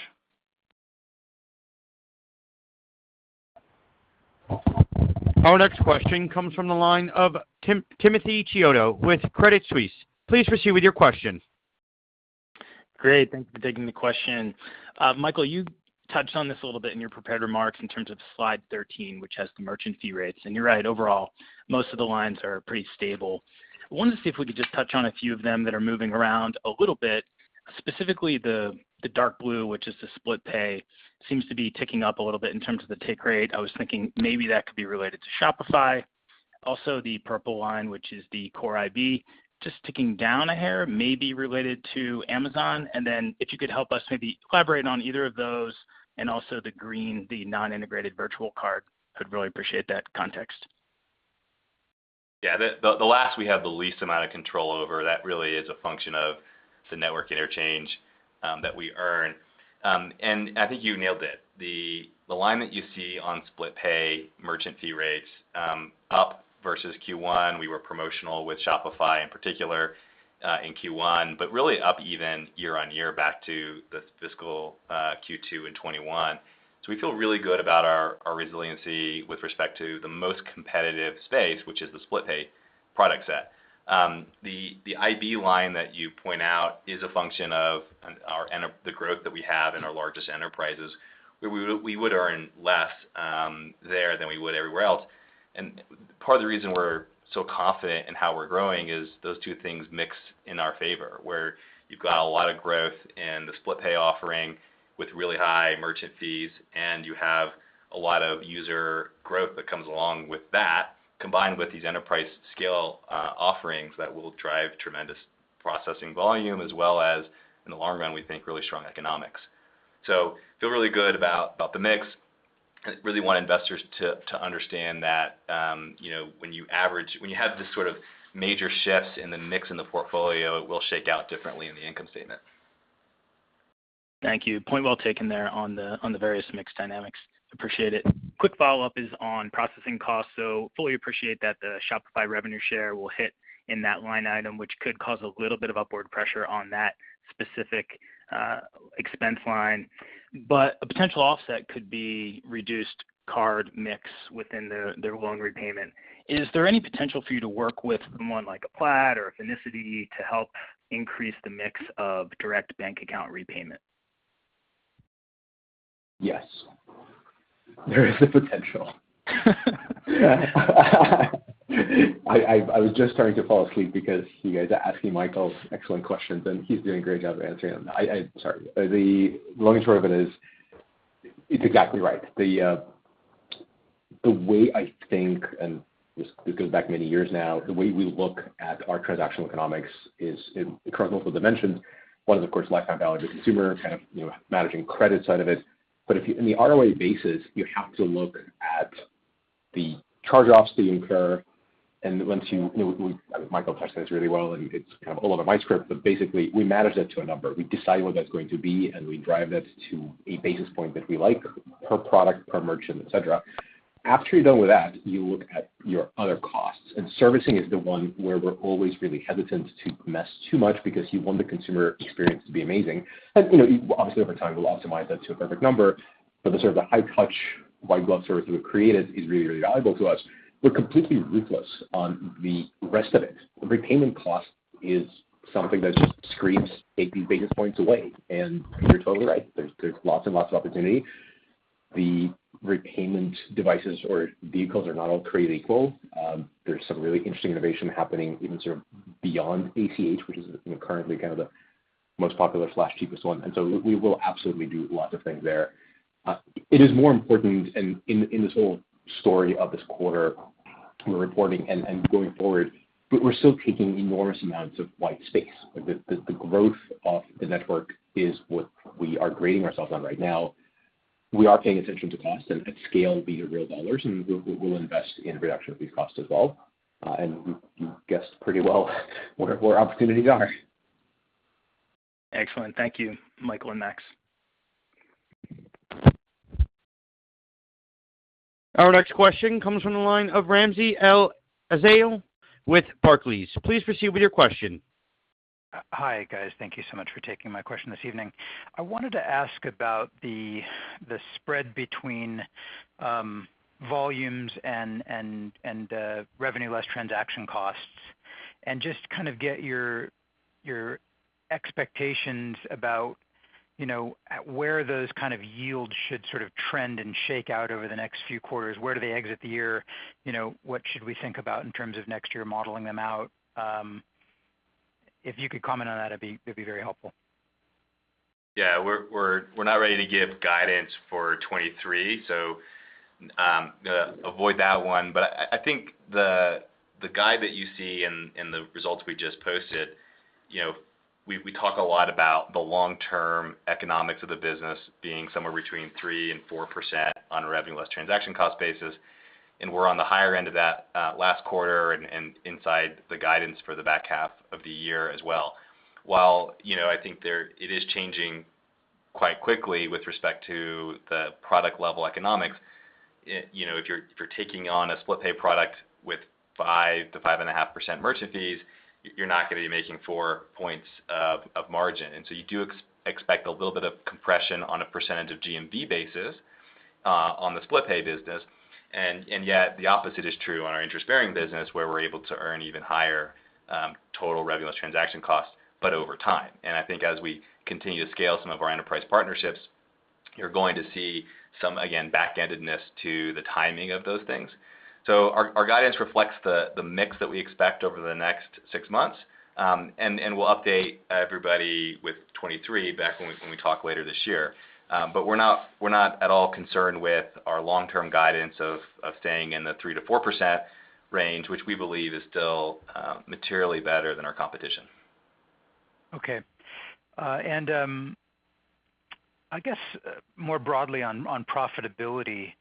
Our next question comes from the line of Timothy Chiodo with Credit Suisse. Please proceed with your question. Great. Thanks for taking the question. Michael, you touched on this a little bit in your prepared remarks in terms of slide 13, which has the merchant fee rates. You're right, overall, most of the lines are pretty stable. I wanted to see if we could just touch on a few of them that are moving around a little bit. Specifically, the dark blue, which is the split pay, seems to be ticking up a little bit in terms of the take rate. I was thinking maybe that could be related to Shopify. Also the purple line, which is the core IB, just ticking down a hair, maybe related to Amazon. Then if you could help us maybe elaborate on either of those and also the green, the non-integrated virtual card, I'd really appreciate that context. Yeah. The last we have the least amount of control over. That really is a function of the network interchange that we earn. I think you nailed it. The line that you see on split pay merchant fee rates up versus Q1, we were promotional with Shopify in particular in Q1, but really up even year-over-year back to the fiscal Q2 in 2021. We feel really good about our resiliency with respect to the most competitive space, which is the split pay product set. The IB line that you point out is a function of the growth that we have in our largest enterprises. We would earn less there than we would everywhere else. Part of the reason we're so confident in how we're growing is those two things mix in our favor, where you've got a lot of growth in the split pay offering with really high merchant fees, and you have a lot of user growth that comes along with that, combined with these enterprise-scale offerings that will drive tremendous processing volume, as well as, in the long run, we think, really strong economics. So feel really good about the mix. I really want investors to understand that, you know, when you have this sort of major shifts in the mix in the portfolio, it will shake out differently in the income statement. Thank you. Point well taken there on the various mix dynamics. Appreciate it. Quick follow-up is on processing costs. Fully appreciate that the Shopify revenue share will hit in that line item, which could cause a little bit of upward pressure on that specific expense line. A potential offset could be reduced card mix within the loan repayment. Is there any potential for you to work with someone like a Plaid or a Finicity to help increase the mix of direct bank account repayment? Yes. There is a potential. I was just starting to fall asleep because you guys are asking Michael excellent questions, and he's doing a great job answering them. Sorry. The long and short of it is, it's exactly right. The way I think, and this goes back many years now, the way we look at our transactional economics is across multiple dimensions. One is, of course, lifetime value to consumer, kind of, you know, managing credit side of it. On the ROA basis, you have to look at the charge-offs that you incur, and once you know, we, Michael, touched on this really well, and it's kind of all over my script, but basically, we manage that to a number. We decide what that's going to be, and we drive that to a basis point that we like per product, per merchant, et cetera. After you're done with that, you look at your other costs, and servicing is the one where we're always really hesitant to mess too much because you want the consumer experience to be amazing. You know, obviously, over time, we'll optimize that to a perfect number, but the sort of the high-touch, white-glove service we've created is really, really valuable to us. We're completely ruthless on the rest of it. The repayment cost is something that just screams AP basis points away. You're totally right. There's lots and lots of opportunity. The repayment devices or vehicles are not all created equal. There's some really interesting innovation happening even sort of beyond ACH, which is, you know, currently kind of the most popular, slash, cheapest one. We will absolutely do lots of things there. It is more important, and in this whole story of this quarter we're reporting and going forward, but we're still taking enormous amounts of white space. The growth of the network is what we are grading ourselves on right now. We are paying attention to cost, and at scale, be it real dollars, and we will invest in reduction of these costs as well. You guessed pretty well where opportunities are. Excellent. Thank you, Michael and Max. Our next question comes from the line of Ramsey El-Assal with Barclays. Please proceed with your question. Hi, guys. Thank you so much for taking my question this evening. I wanted to ask about the spread between volumes and revenue less transaction costs and just kind of get your expectations about you know at where those kind of yields should sort of trend and shake out over the next few quarters. Where do they exit the year? You know, what should we think about in terms of next year modeling them out? If you could comment on that, it'd be very helpful. Yeah. We're not ready to give guidance for 2023, so avoid that one. I think the guide that you see in the results we just posted, you know, we talk a lot about the long-term economics of the business being somewhere between 3%-4% on a revenue less transaction cost basis. We're on the higher end of that last quarter and inside the guidance for the back half of the year as well. While you know, I think there it is changing quite quickly with respect to the product-level economics. It you know, if you're taking on a split pay product with 5%-5.5% merchant fees, you're not gonna be making 4 points of margin. You do expect a little bit of compression on a percentage of GMV basis on the split pay business. Yet the opposite is true on our interest-bearing business, where we're able to earn even higher total revenue as transaction costs, but over time. I think as we continue to scale some of our enterprise partnerships, you're going to see some, again, back-endedness to the timing of those things. Our guidance reflects the mix that we expect over the next six months. We'll update everybody with 2023 back when we talk later this year. We're not at all concerned with our long-term guidance of staying in the 3%-4% range, which we believe is still materially better than our competition. Okay. I guess more broadly on profitability,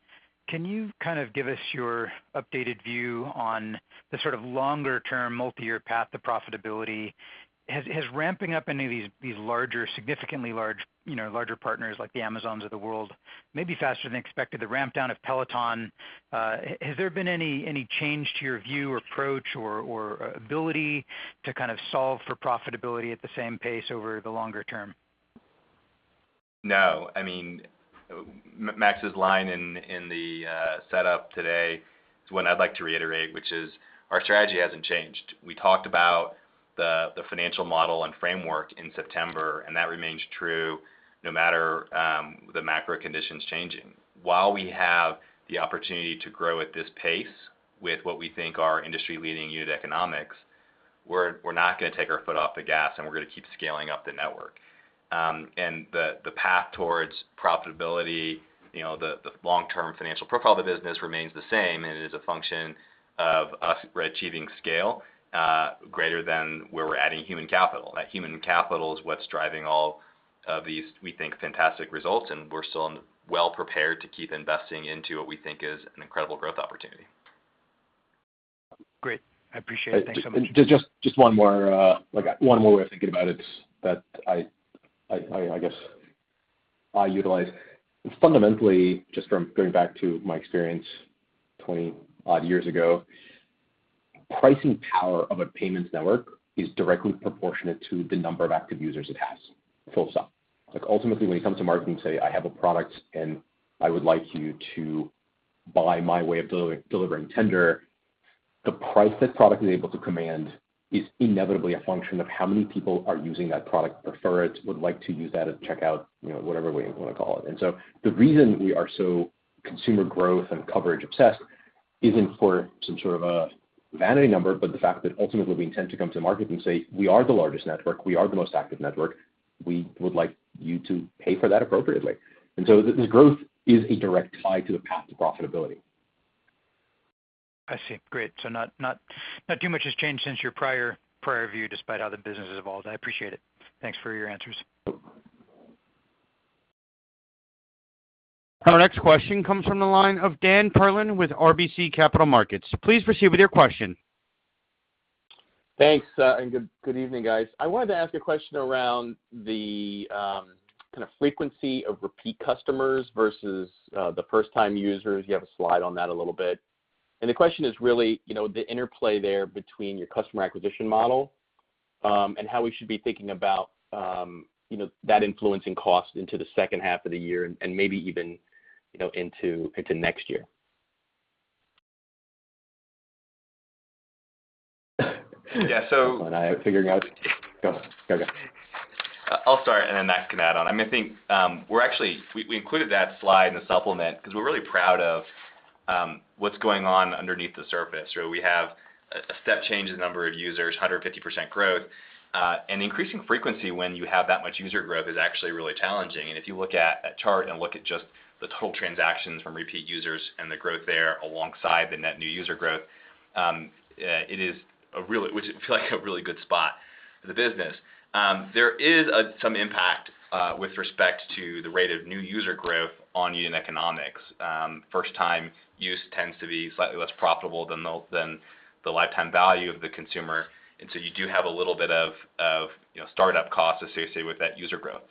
can you kind of give us your updated view on the sort of longer-term multi-year path to profitability? Has ramping up any of these larger, significantly large, you know, larger partners like the Amazons of the world maybe faster than expected, the ramp down of Peloton. Has there been any change to your view or approach or ability to kind of solve for profitability at the same pace over the longer term? No. I mean, Max's line in the setup today is one I'd like to reiterate, which is our strategy hasn't changed. We talked about the financial model and framework in September, and that remains true no matter the macro conditions changing. While we have the opportunity to grow at this pace with what we think are industry-leading unit economics, we're not gonna take our foot off the gas, and we're gonna keep scaling up the network. The path towards profitability, you know, the long-term financial profile of the business remains the same, and it is a function of us achieving scale greater than where we're adding human capital. That human capital is what's driving all of these, we think, fantastic results, and we're still well-prepared to keep investing into what we think is an incredible growth opportunity. Great. I appreciate it. Thanks so much. Just one more way of thinking about it that I guess I utilize. Fundamentally, just from going back to my experience 20-odd years ago, pricing power of a payments network is directly proportionate to the number of active users it has, full stop. Like, ultimately, when you come to market and say, "I have a product, and I would like you to buy my way of delivering tender," the price that product is able to command is inevitably a function of how many people are using that product, prefer it, would like to use that at checkout, you know, whatever way you wanna call it. The reason we are so consumer growth and coverage obsessed isn't for some sort of a vanity number, but the fact that ultimately we intend to come to the market and say, "We are the largest network. We are the most active network. We would like you to pay for that appropriately." This growth is a direct tie to the path to profitability. I see. Great. Not too much has changed since your prior view, despite how the business has evolved. I appreciate it. Thanks for your answers. Our next question comes from the line of Dan Perlin with RBC Capital Markets. Please proceed with your question. Thanks, and good evening, guys. I wanted to ask a question around the kind of frequency of repeat customers versus the first time users. You have a slide on that a little bit. The question is really, you know, the interplay there between your customer acquisition model, and how we should be thinking about, you know, that influencing cost into the second half of the year and maybe even, you know, into next year. Yeah. Hold on. I'm figuring out. Go, go. I'll start, and then Max can add on. I mean, I think, we actually included that slide in the supplement 'cause we're really proud of what's going on underneath the surface. You know, we have a step change in number of users, 150% growth. Increasing frequency when you have that much user growth is actually really challenging. If you look at a chart and look at just the total transactions from repeat users and the growth there alongside the net new user growth, it is, which I feel like a really good spot for the business. There is some impact with respect to the rate of new user growth on unit economics. First time use tends to be slightly less profitable than the lifetime value of the consumer. You do have a little bit of, you know, startup costs associated with that user growth.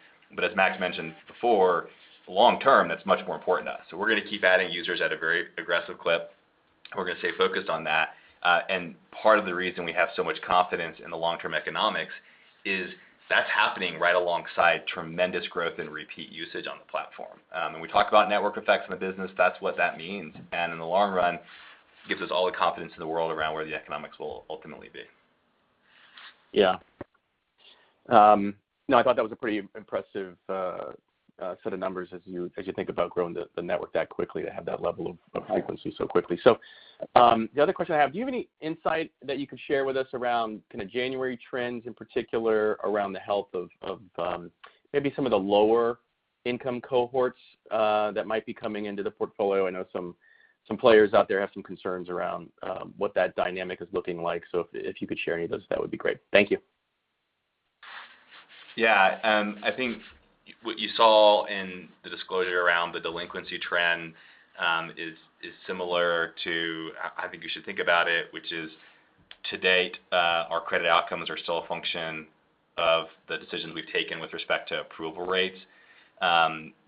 As Max mentioned before, long-term, that's much more important to us. We're gonna keep adding users at a very aggressive clip. We're gonna stay focused on that. Part of the reason we have so much confidence in the long-term economics is that's happening right alongside tremendous growth in repeat usage on the platform. When we talk about network effects in the business, that's what that means. In the long run, gives us all the confidence in the world around where the economics will ultimately be. Yeah. No, I thought that was a pretty impressive set of numbers as you think about growing the network that quickly to have that level of frequency so quickly. The other question I have, do you have any insight that you could share with us around kinda January trends, in particular around the health of maybe some of the lower income cohorts that might be coming into the portfolio? I know some players out there have some concerns around what that dynamic is looking like. If you could share any of those, that would be great. Thank you. Yeah. I think what you saw in the disclosure around the delinquency trend is similar to how I think you should think about it, which is, to date, our credit outcomes are still a function of the decisions we've taken with respect to approval rates.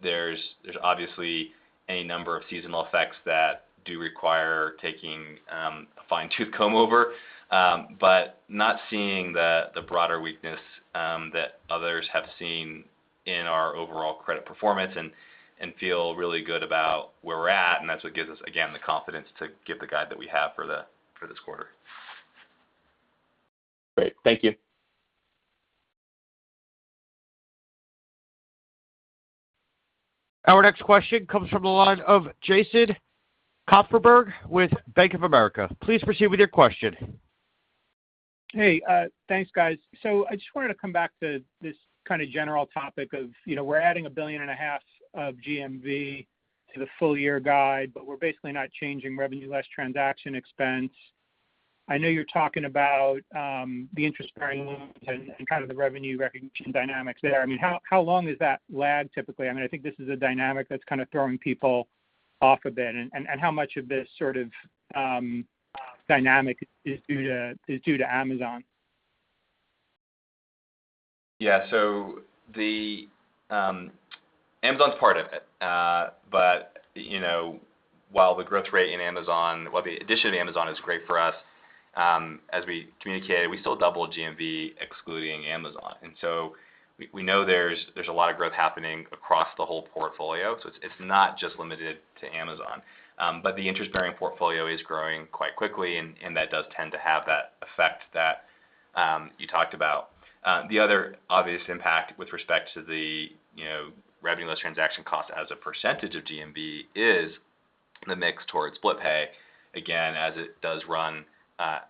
There's obviously any number of seasonal effects that do require taking a fine-tooth comb over, not seeing the broader weakness that others have seen in our overall credit performance and feel really good about where we're at, and that's what gives us, again, the confidence to give the guide that we have for this quarter. Great. Thank you. Our next question comes from the line of Jason Kupferberg with Bank of America. Please proceed with your question. Hey, thanks, guys. I just wanted to come back to this kind of general topic of, you know, we're adding $1.5 billion of GMV to the full-year guide, but we're basically not changing revenue less transaction expense. I know you're talking about the interest-bearing loans and kind of the revenue recognition dynamics there. I mean, how long is that lag typically? I mean, I think this is a dynamic that's kind of throwing people off a bit, and how much of this sort of dynamic is due to Amazon? Yeah. Amazon's part of it. You know, while the growth rate in Amazon, the addition of Amazon is great for us, as we communicated, we still doubled GMV excluding Amazon. We know there's a lot of growth happening across the whole portfolio, so it's not just limited to Amazon. The interest-bearing portfolio is growing quite quickly, and that does tend to have that effect that you talked about. The other obvious impact with respect to the, you know, revenue less transaction cost as a percentage of GMV is the mix towards split pay, again, as it does run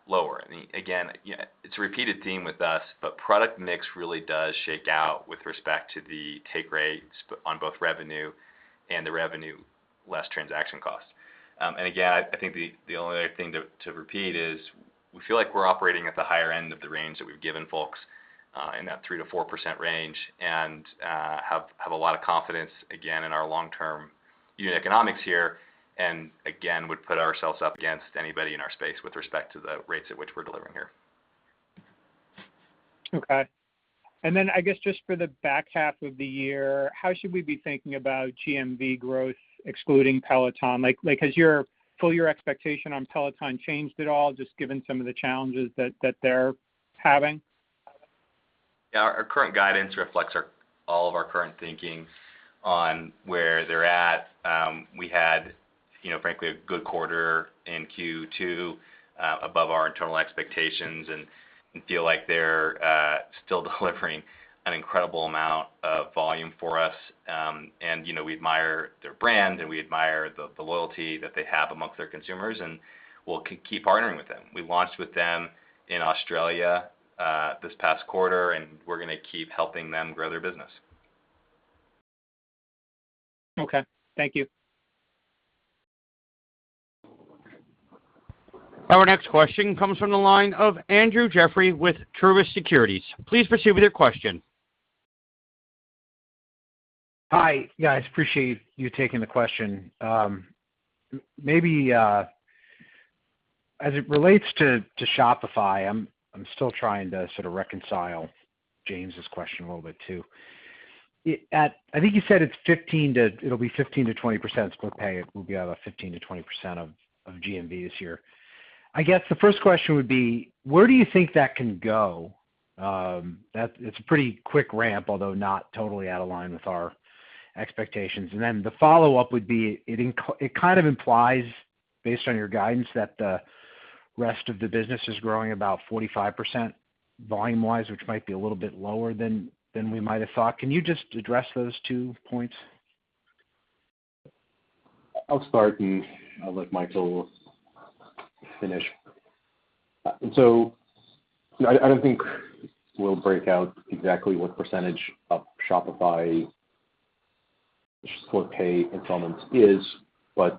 lower. I mean, again, you know, it's a repeated theme with us, but product mix really does shake out with respect to the take rates on both revenue and the revenue less transaction cost. And again, I think the only other thing to repeat is we feel like we're operating at the higher end of the range that we've given folks in that 3%-4% range and have a lot of confidence, again, in our long-term unit economics here and, again, would put ourselves up against anybody in our space with respect to the rates at which we're delivering here. Okay. I guess just for the back half of the year, how should we be thinking about GMV growth excluding Peloton? Like, has your full-year expectation on Peloton changed at all just given some of the challenges that they're having? Yeah. Our current guidance reflects all of our current thinking on where they're at. We had, you know, frankly, a good quarter in Q2, above our internal expectations and feel like they're still delivering an incredible amount of volume for us. You know, we admire their brand, and we admire the loyalty that they have among their consumers, and we'll keep partnering with them. We launched with them in Australia, this past quarter, and we're gonna keep helping them grow their business. Okay. Thank you. Our next question comes from the line of Andrew Jeffrey with Truist Securities. Please proceed with your question. Hi. Yeah, I appreciate you taking the question. Maybe as it relates to Shopify, I'm still trying to sort of reconcile James' question a little bit too. I think you said it'll be 15%-20% split pay. It will be about 15%-20% of GMV this year. I guess the first question would be where do you think that can go? It's a pretty quick ramp, although not totally out of line with our expectations. The follow-up would be, it kind of implies, based on your guidance, that the rest of the business is growing about 45% volume-wise, which might be a little bit lower than we might have thought. Can you just address those two points? I'll start, and I'll let Michael finish. You know, I don't think we'll break out exactly what percentage of Shop Pay Installments is, but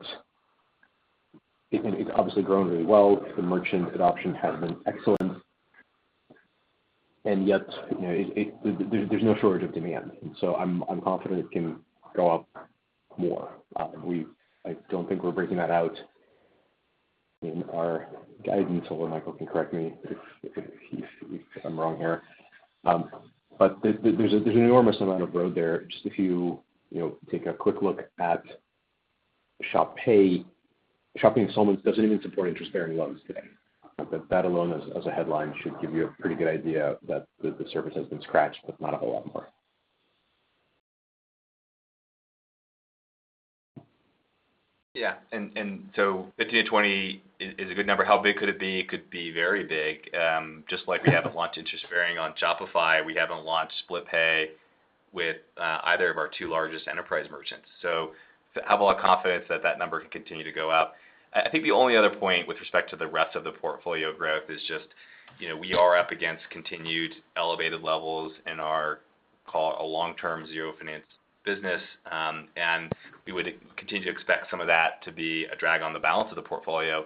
it can, it's obviously grown really well. The merchant adoption has been excellent. You know, there's no shortage of demand. I'm confident it can go up more. I don't think we're breaking that out in our guidance, although Michael can correct me if he's, if I'm wrong here. But there's an enormous amount of road there. Just if you know, take a quick look at the Shop Pay Installments doesn't even support interest-bearing loans today. But that alone as a headline should give you a pretty good idea that the surface has been scratched but not a whole lot more. Yeah. 15%-20% is a good number. How big could it be? It could be very big. Just like we haven't launched interest-bearing on Shopify, we haven't launched split pay with either of our two largest enterprise merchants. Have a lot of confidence that that number can continue to go up. I think the only other point with respect to the rest of the portfolio growth is just, you know, we are up against continued elevated levels in our, call it, a long-term zero finance business. We would continue to expect some of that to be a drag on the balance of the portfolio,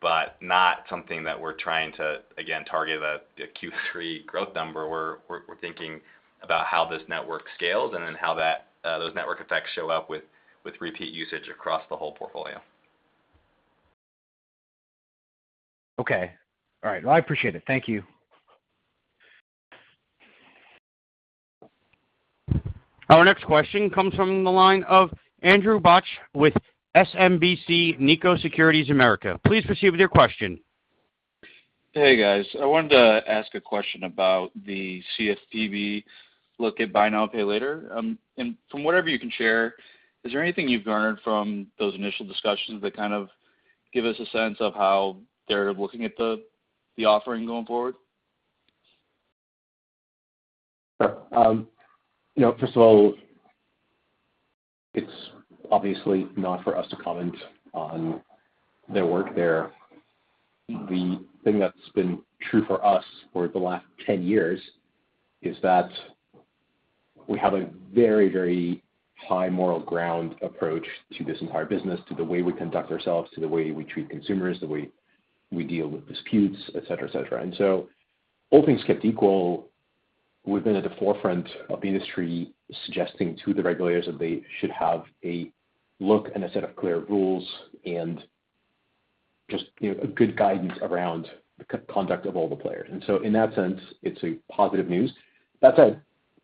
but not something that we're trying to, again, target a Q3 growth number. We're thinking about how this network scales and then how that those network effects show up with repeat usage across the whole portfolio. Okay. All right. Well, I appreciate it. Thank you. Our next question comes from the line of Andrew Bauch with SMBC Nikko Securities America. Please proceed with your question. Hey, guys. I wanted to ask a question about the CFPB look at buy now, pay later. From whatever you can share, is there anything you've garnered from those initial discussions that kind of give us a sense of how they're looking at the offering going forward? Sure. You know, first of all, it's obviously not for us to comment on their work there. The thing that's been true for us for the last 10 years is that we have a very, very high moral ground approach to this entire business, to the way we conduct ourselves, to the way we treat consumers, the way we deal with disputes, et cetera, et cetera. All things kept equal, we've been at the forefront of the industry suggesting to the regulators that they should have a look and a set of clear rules and just, you know, a good guidance around the conduct of all the players. In that sense, it's a positive news. That said,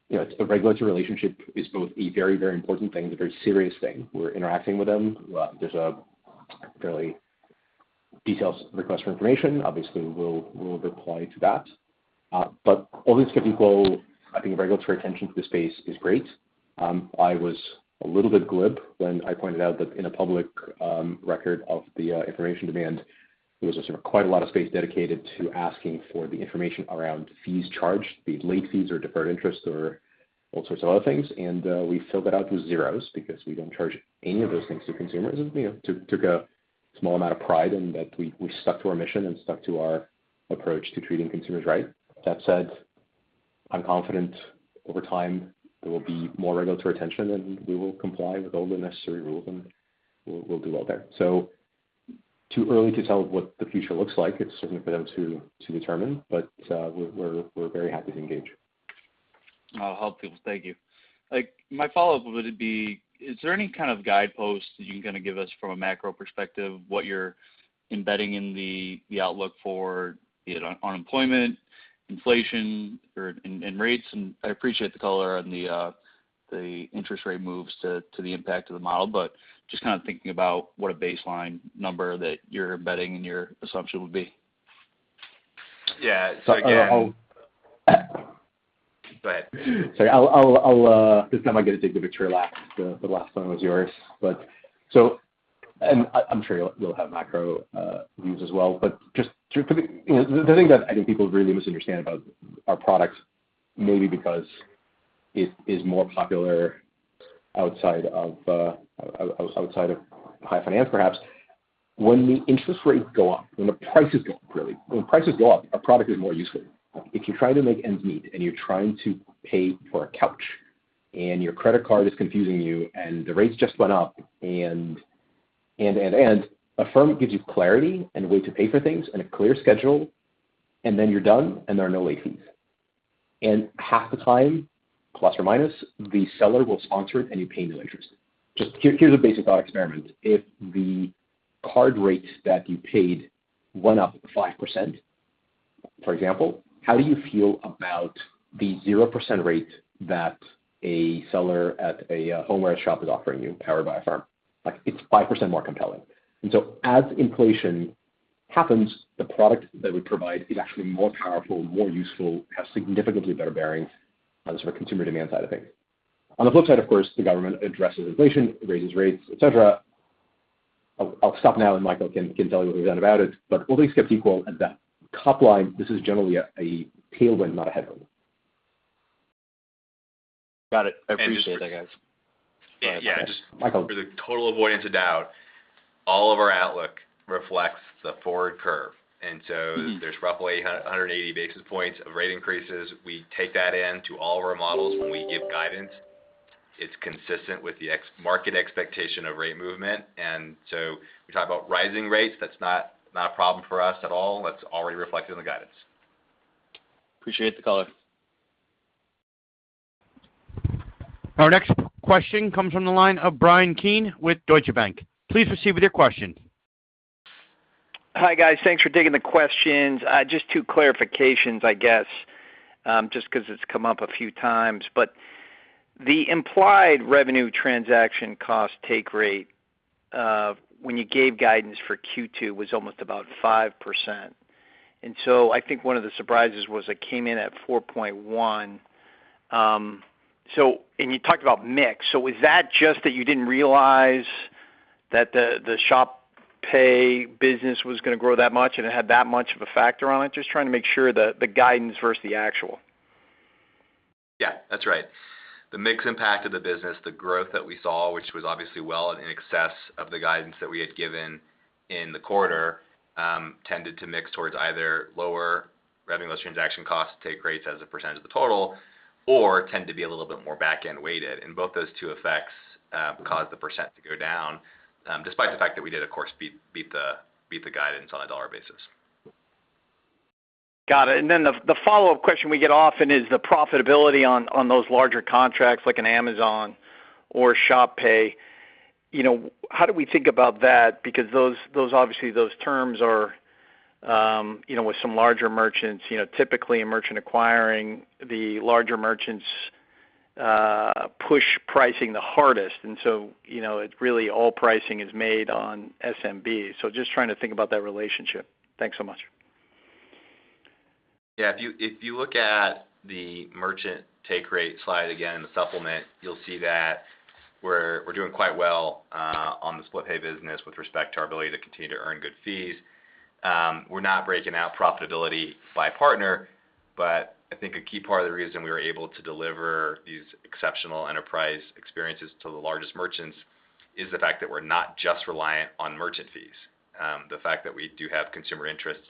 you know, the regulatory relationship is both a very, very important thing, a very serious thing. We're interacting with them. There's a fairly detailed request for information. Obviously, we'll reply to that. All things kept equal, I think regulatory attention to the space is great. I was a little bit glib when I pointed out that in a public record of the information demand, there was sort of quite a lot of space dedicated to asking for the information around fees charged, the late fees or deferred interests or all sorts of other things. We filled that out with zeros because we don't charge any of those things to consumers, and you know, took a small amount of pride in that we stuck to our mission and stuck to our approach to treating consumers right. That said, I'm confident over time there will be more regulatory attention, and we will comply with all the necessary rules, and we'll do well there. Too early to tell what the future looks like. It's certainly for them to determine, but we're very happy to engage. I'll help you. Thank you. Like, my follow-up would be, is there any kind of guidepost that you can give us from a macro perspective, what you're embedding in the outlook for be it unemployment, inflation or rates? I appreciate the color on the interest rate moves to the impact of the model. Just kind of thinking about what a baseline number that you're embedding in your assumption would be. Yeah. So again. So I'll- Go ahead. Sorry, I'll this time I get to take the picture last. The last one was yours. I'm sure you'll have macro views as well. The thing that I think people really misunderstand about our products, maybe because it is more popular outside of high finance perhaps. When the interest rates go up, when the prices go up, really, when prices go up, our product is more useful. If you're trying to make ends meet and you're trying to pay for a couch, and your credit card is confusing you, and the rates just went up, and Affirm gives you clarity and a way to pay for things and a clear schedule, and then you're done, and there are no late fees. Half the time, plus or minus, the seller will sponsor it, and you pay no interest. Just here's a basic thought experiment. If the card rate that you paid went up 5%, for example, how do you feel about the 0% rate that a seller at a homeware shop is offering you powered by Affirm? Like it's 5% more compelling. As inflation happens, the product that we provide is actually more powerful, more useful, has significantly better bearings on the sort of consumer demand side of things. On the flip side, of course, the government addresses inflation, raises rates, etc. I'll stop now, and Michael can tell you what we've done about it. All things kept equal at that top line, this is generally a tailwind, not a headwind. Got it. I appreciate it, guys. Yeah. Michael. For the total avoidance of doubt, all of our outlook reflects the forward curve. There's roughly 180 basis points of rate increases. We take that into all of our models when we give guidance. It's consistent with the market expectation of rate movement. We talk about rising rates. That's not a problem for us at all. That's already reflected in the guidance. Appreciate the color. Our next question comes from the line of Bryan Keane with Deutsche Bank. Please proceed with your question. Hi, guys. Thanks for taking the questions. Just two clarifications, I guess, just because it's come up a few times. The implied revenue transaction cost take rate, when you gave guidance for Q2 was almost about 5%. I think one of the surprises was it came in at 4.1. You talked about mix. Was that just that you didn't realize that the Shop Pay business was going to grow that much and it had that much of a factor on it? Just trying to make sure the guidance versus the actual. Yeah, that's right. The mix impact of the business, the growth that we saw, which was obviously well in excess of the guidance that we had given in the quarter, tended to mix towards either lower revenue transaction costs, take rates as a percentage of the total or tend to be a little bit more back-end weighted. Both those two effects caused the percent to go down, despite the fact that we did, of course, beat the guidance on a dollar basis. Got it. The follow-up question we get often is the profitability on those larger contracts like an Amazon or Shop Pay. You know, how do we think about that? Because those terms are obviously with some larger merchants, you know, typically the larger merchants push pricing the hardest. You know, it's really all pricing is made on SMB. Just trying to think about that relationship. Thanks so much. Yeah. If you look at the merchant take rate slide again in the supplement, you'll see that we're doing quite well on the split pay business with respect to our ability to continue to earn good fees. We're not breaking out profitability by partner, but I think a key part of the reason we were able to deliver these exceptional enterprise experiences to the largest merchants is the fact that we're not just reliant on merchant fees. The fact that we do have consumer interest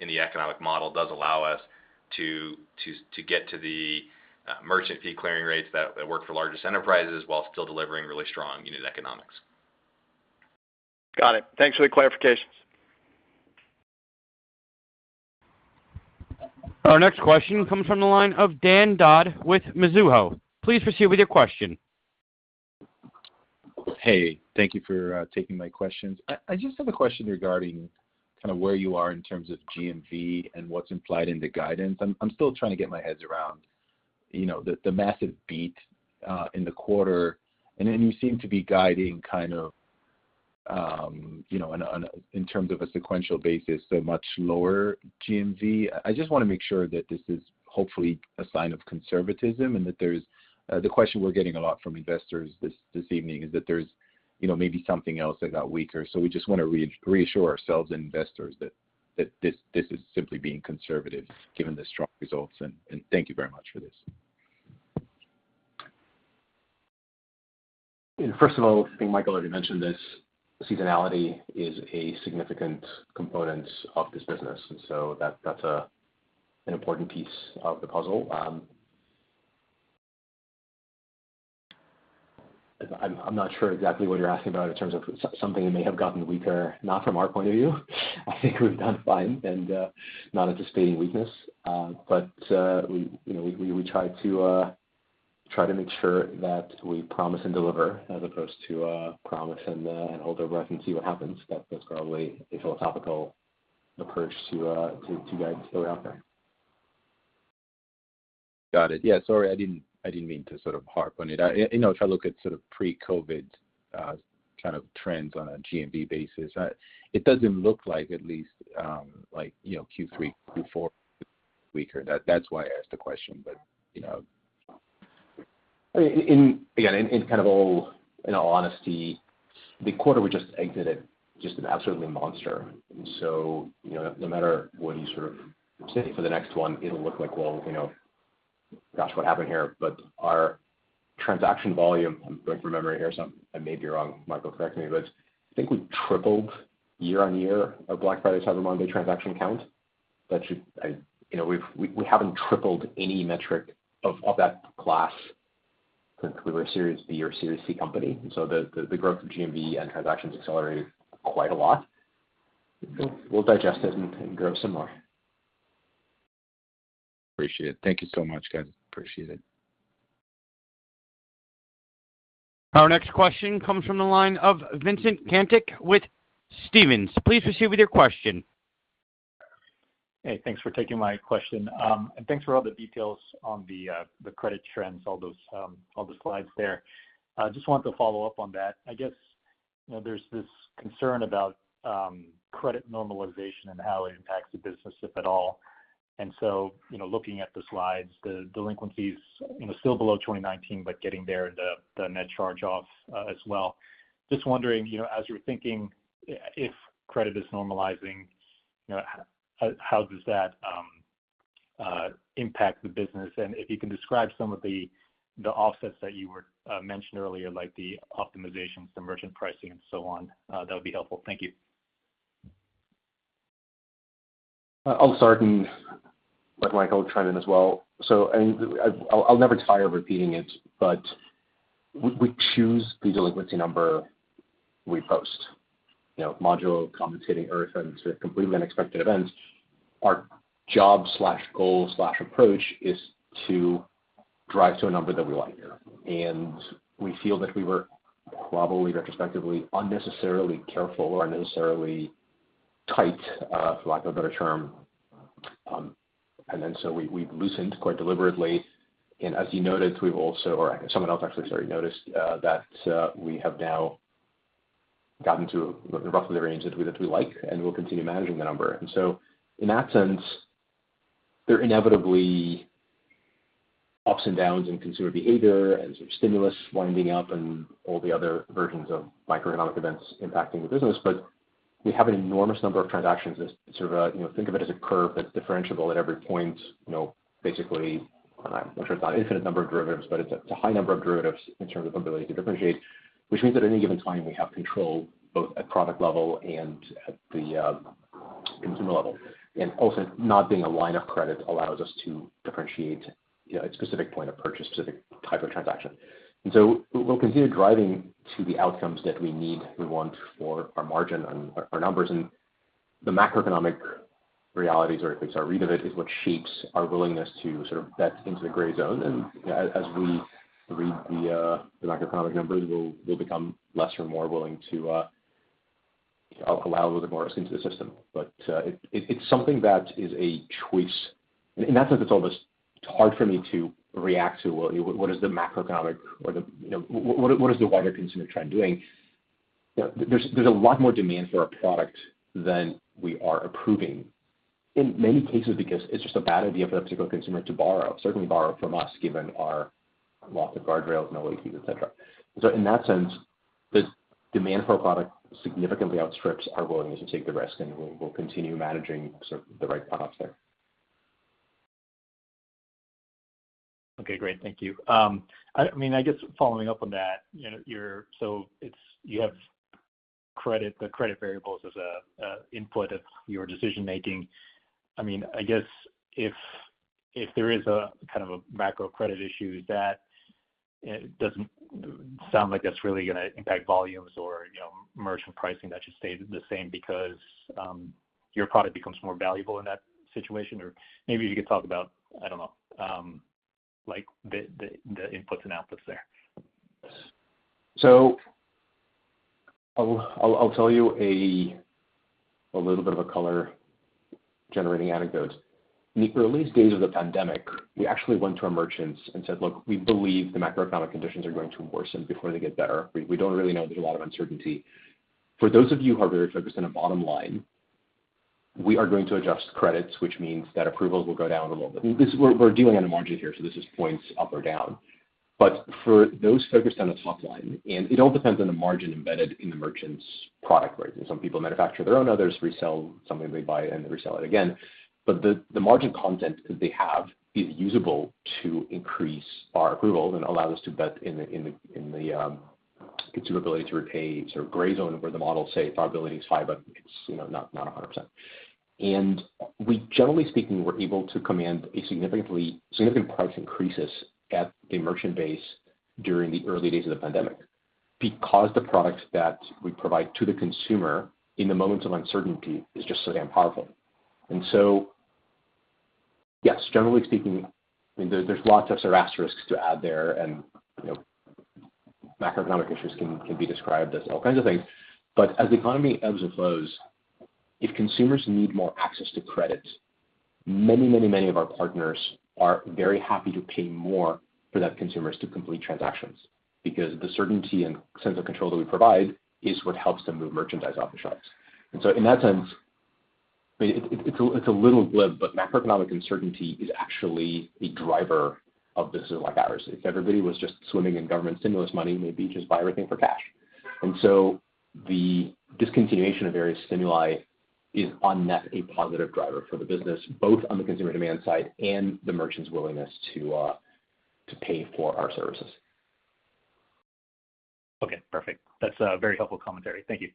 in the economic model does allow us to get to the merchant fee clearing rates that work for largest enterprises while still delivering really strong unit economics. Got it. Thanks for the clarifications. Our next question comes from the line of Dan Dolev with Mizuho. Please proceed with your question. Hey, thank you for taking my questions. I just have a question regarding kind of where you are in terms of GMV and what's implied in the guidance. I'm still trying to get my head around, you know, the massive beat in the quarter, and then you seem to be guiding kind of in terms of a sequential basis, a much lower GMV. I just wanna make sure that this is hopefully a sign of conservatism and that there's the question we're getting a lot from investors this evening is that there's, you know, maybe something else that got weaker. We just wanna reassure ourselves and investors that this is simply being conservative given the strong results, and thank you very much for this. First of all, I think Michael already mentioned this, seasonality is a significant component of this business, and so that's an important piece of the puzzle. I'm not sure exactly what you're asking about in terms of something that may have gotten weaker, not from our point of view. I think we've done fine, not anticipating weakness. We, you know, try to make sure that we promise and deliver as opposed to promise and hold our breath and see what happens. That's probably a philosophical approach to guide what we have there. Got it. Yeah, sorry. I didn't mean to sort of harp on it. You know, if I look at sort of pre-COVID kind of trends on a GMV basis, it doesn't look like at least like you know Q3, Q4 weaker. That's why I asked the question, but you know. In all honesty, the quarter we just exited was just an absolutely monster. You know, no matter what you sort of say for the next one, it'll look like, well, you know, gosh, what happened here? Our transaction volume, I'm going from memory here, so I may be wrong. Michael, correct me. I think we tripled year-on-year on Black Friday, Cyber Monday transaction count. You know, we haven't tripled any metric of that class since we were a Series B or Series C company. The growth of GMV and transactions accelerated quite a lot. We'll digest it and grow some more. Appreciate it. Thank you so much, guys. Appreciate it. Our next question comes from the line of Vincent Caintic with Stephens. Please proceed with your question. Hey, thanks for taking my question. And thanks for all the details on the credit trends, all those slides there. Just wanted to follow up on that. I guess, you know, there's this concern about credit normalization and how it impacts the business, if at all. You know, looking at the slides, the delinquencies, you know, still below 2019, but getting there, the net charge-off as well. Just wondering, you know, as you're thinking if credit is normalizing, you know, how does that impact the business? And if you can describe some of the offsets that you were mentioning earlier, like the optimizations, the merchant pricing and so on, that would be helpful. Thank you. I'll start and let Michael chime in as well. I'll never tire of repeating it, but we choose the delinquency number we post. You know, notwithstanding completely unexpected events. Our job, goal, approach is to drive to a number that we want here. We feel that we were probably retrospectively unnecessarily careful or unnecessarily tight, for lack of a better term. We loosened quite deliberately. As you noted, we've also or someone else actually already noticed that we have now gotten to roughly the range that we like, and we'll continue managing the number. In that sense, there are inevitably ups and downs in consumer behavior as stimulus winding down and all the other various microeconomic events impacting the business. We have an enormous number of transactions as sort of a, you know, think of it as a curve that's differentiable at every point. You know, basically, I'm not sure it's not infinite number of derivatives, but it's a high number of derivatives in terms of ability to differentiate, which means at any given time, we have control both at product level and at the consumer level. Not being a line of credit allows us to differentiate, you know, a specific point of purchase, specific type of transaction. We'll continue driving to the outcomes that we need, we want for our margin and our numbers. The macroeconomic realities, or at least our read of it, is what shapes our willingness to sort of bet into the gray zone. As we read the macroeconomic numbers, we'll become less or more willing to allow a little bit more risk into the system. It's something that is a choice. In that sense, it's almost hard for me to react to what is the macroeconomic or the, you know, what is the wider consumer trend doing? There's a lot more demand for our product than we are approving in many cases because it's just a bad idea for a particular consumer to borrow, certainly borrow from us, given our lots of guardrails, no fees, et cetera. In that sense, the demand for our product significantly outstrips our willingness to take the risk, and we'll continue managing sort of the right products there. Okay, great. Thank you. I mean, I guess following up on that, you know, so it's you have credit, the credit variables as a input of your decision-making. I mean, I guess if there is a kind of a macro credit issue, that doesn't sound like that's really gonna impact volumes or, you know, merchant pricing that should stay the same because your product becomes more valuable in that situation. Or maybe you could talk about, I don't know, like the inputs and outputs there. I'll tell you a little bit of a color-generating anecdote. In the earliest days of the pandemic, we actually went to our merchants and said, "Look, we believe the macroeconomic conditions are going to worsen before they get better. We don't really know. There's a lot of uncertainty. For those of you who are very focused on the bottom line, we are going to adjust credits, which means that approvals will go down a little bit." This is. We're dealing in a margin here, so this is points up or down. For those focused on the top line, and it all depends on the margin embedded in the merchant's product, right? Some people manufacture their own, others resell something they buy and resell it again. The margin content that they have is usable to increase our approvals and allow us to bet in the consumer ability to repay sort of gray zone where the models say profitability is five, but it's you know not 100%. We generally speaking were able to command a significant price increases at the merchant base during the early days of the pandemic because the products that we provide to the consumer in the moments of uncertainty is just so damn powerful. Yes, generally speaking, I mean, there's lots of sort of asterisks to add there. You know, macroeconomic issues can be described as all kinds of things. as the economy ebbs and flows, if consumers need more access to credit, many of our partners are very happy to pay more for their consumers to complete transactions, because the certainty and sense of control that we provide is what helps them move merchandise off the shelves. In that sense, I mean, it's a little glib, but macroeconomic uncertainty is actually a driver of business like ours. If everybody was just swimming in government stimulus money, maybe just buy everything for cash. The discontinuation of various stimuli is on net a positive driver for the business, both on the consumer demand side and the merchant's willingness to pay for our services. Okay, perfect. That's very helpful commentary. Thank you.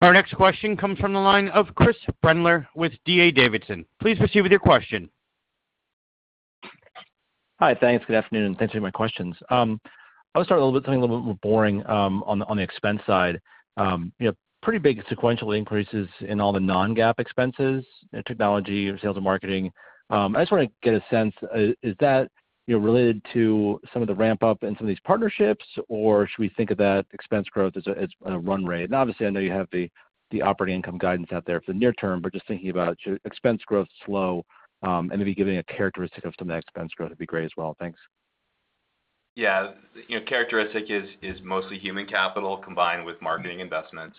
Our next question comes from the line of Chris Brendler with D.A. Davidson. Please proceed with your question. Hi. Thanks. Good afternoon, and thanks for taking my questions. I'll start a little bit, something a little bit more boring, on the expense side. You know, pretty big sequential increases in all the non-GAAP expenses, you know, technology or sales and marketing. I just wanna get a sense, is that, you know, related to some of the ramp-up in some of these partnerships, or should we think of that expense growth as a run rate? And obviously, I know you have the operating income guidance out there for the near term, but just thinking about expense growth slowing, and maybe giving a characteristic of some of that expense growth would be great as well. Thanks. Yeah. You know, characteristic is mostly human capital combined with marketing investments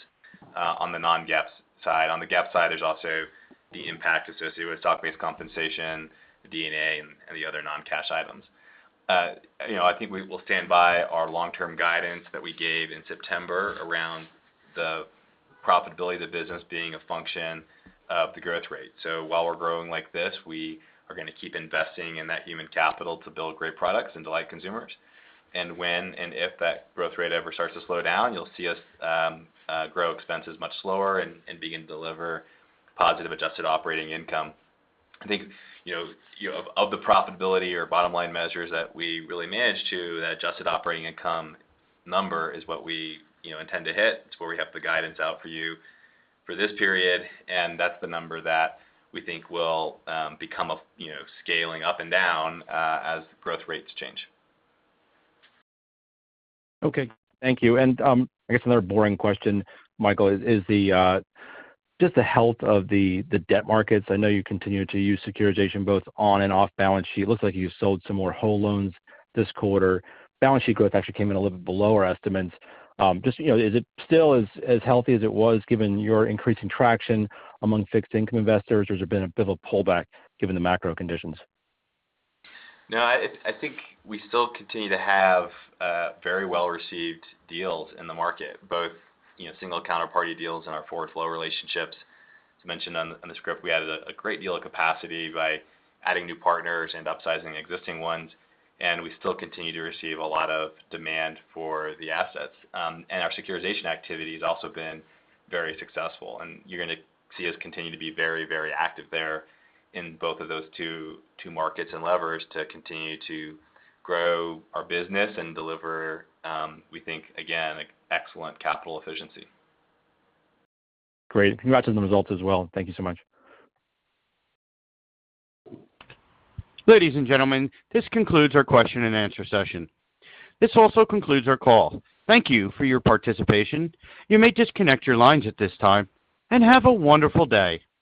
on the non-GAAP side. On the GAAP side, there's also the impact associated with stock-based compensation, D&A, and the other non-cash items. You know, I think we will stand by our long-term guidance that we gave in September around the profitability of the business being a function of the growth rate. While we're growing like this, we are gonna keep investing in that human capital to build great products and delight consumers. When and if that growth rate ever starts to slow down, you'll see us grow expenses much slower and begin to deliver positive adjusted operating income. I think you know, of the profitability or bottom line measures that we really manage to, that adjusted operating income number is what we you know, intend to hit. It's where we have the guidance out for you for this period, and that's the number that we think will become a, you know, scaling up and down as growth rates change. Okay. Thank you. I guess another boring question, Michael, is the health of the debt markets. I know you continue to use securitization both on and off balance sheet. It looks like you sold some more whole loans this quarter. Balance sheet growth actually came in a little bit below our estimates. Just, you know, is it still as healthy as it was given your increasing traction among fixed income investors, or has there been a bit of a pullback given the macro conditions? No, I think we still continue to have very well-received deals in the market, both, you know, single counterparty deals and our forward flow relationships. As mentioned on the script, we added a great deal of capacity by adding new partners and upsizing existing ones, and we still continue to receive a lot of demand for the assets. Our securitization activity has also been very successful, and you're gonna see us continue to be very, very active there in both of those two markets and levers to continue to grow our business and deliver, we think again, excellent capital efficiency. Great. Congrats on the results as well. Thank you so much. Ladies and gentlemen, this concludes our question and answer session. This also concludes our call. Thank you for your participation. You may disconnect your lines at this time, and have a wonderful day.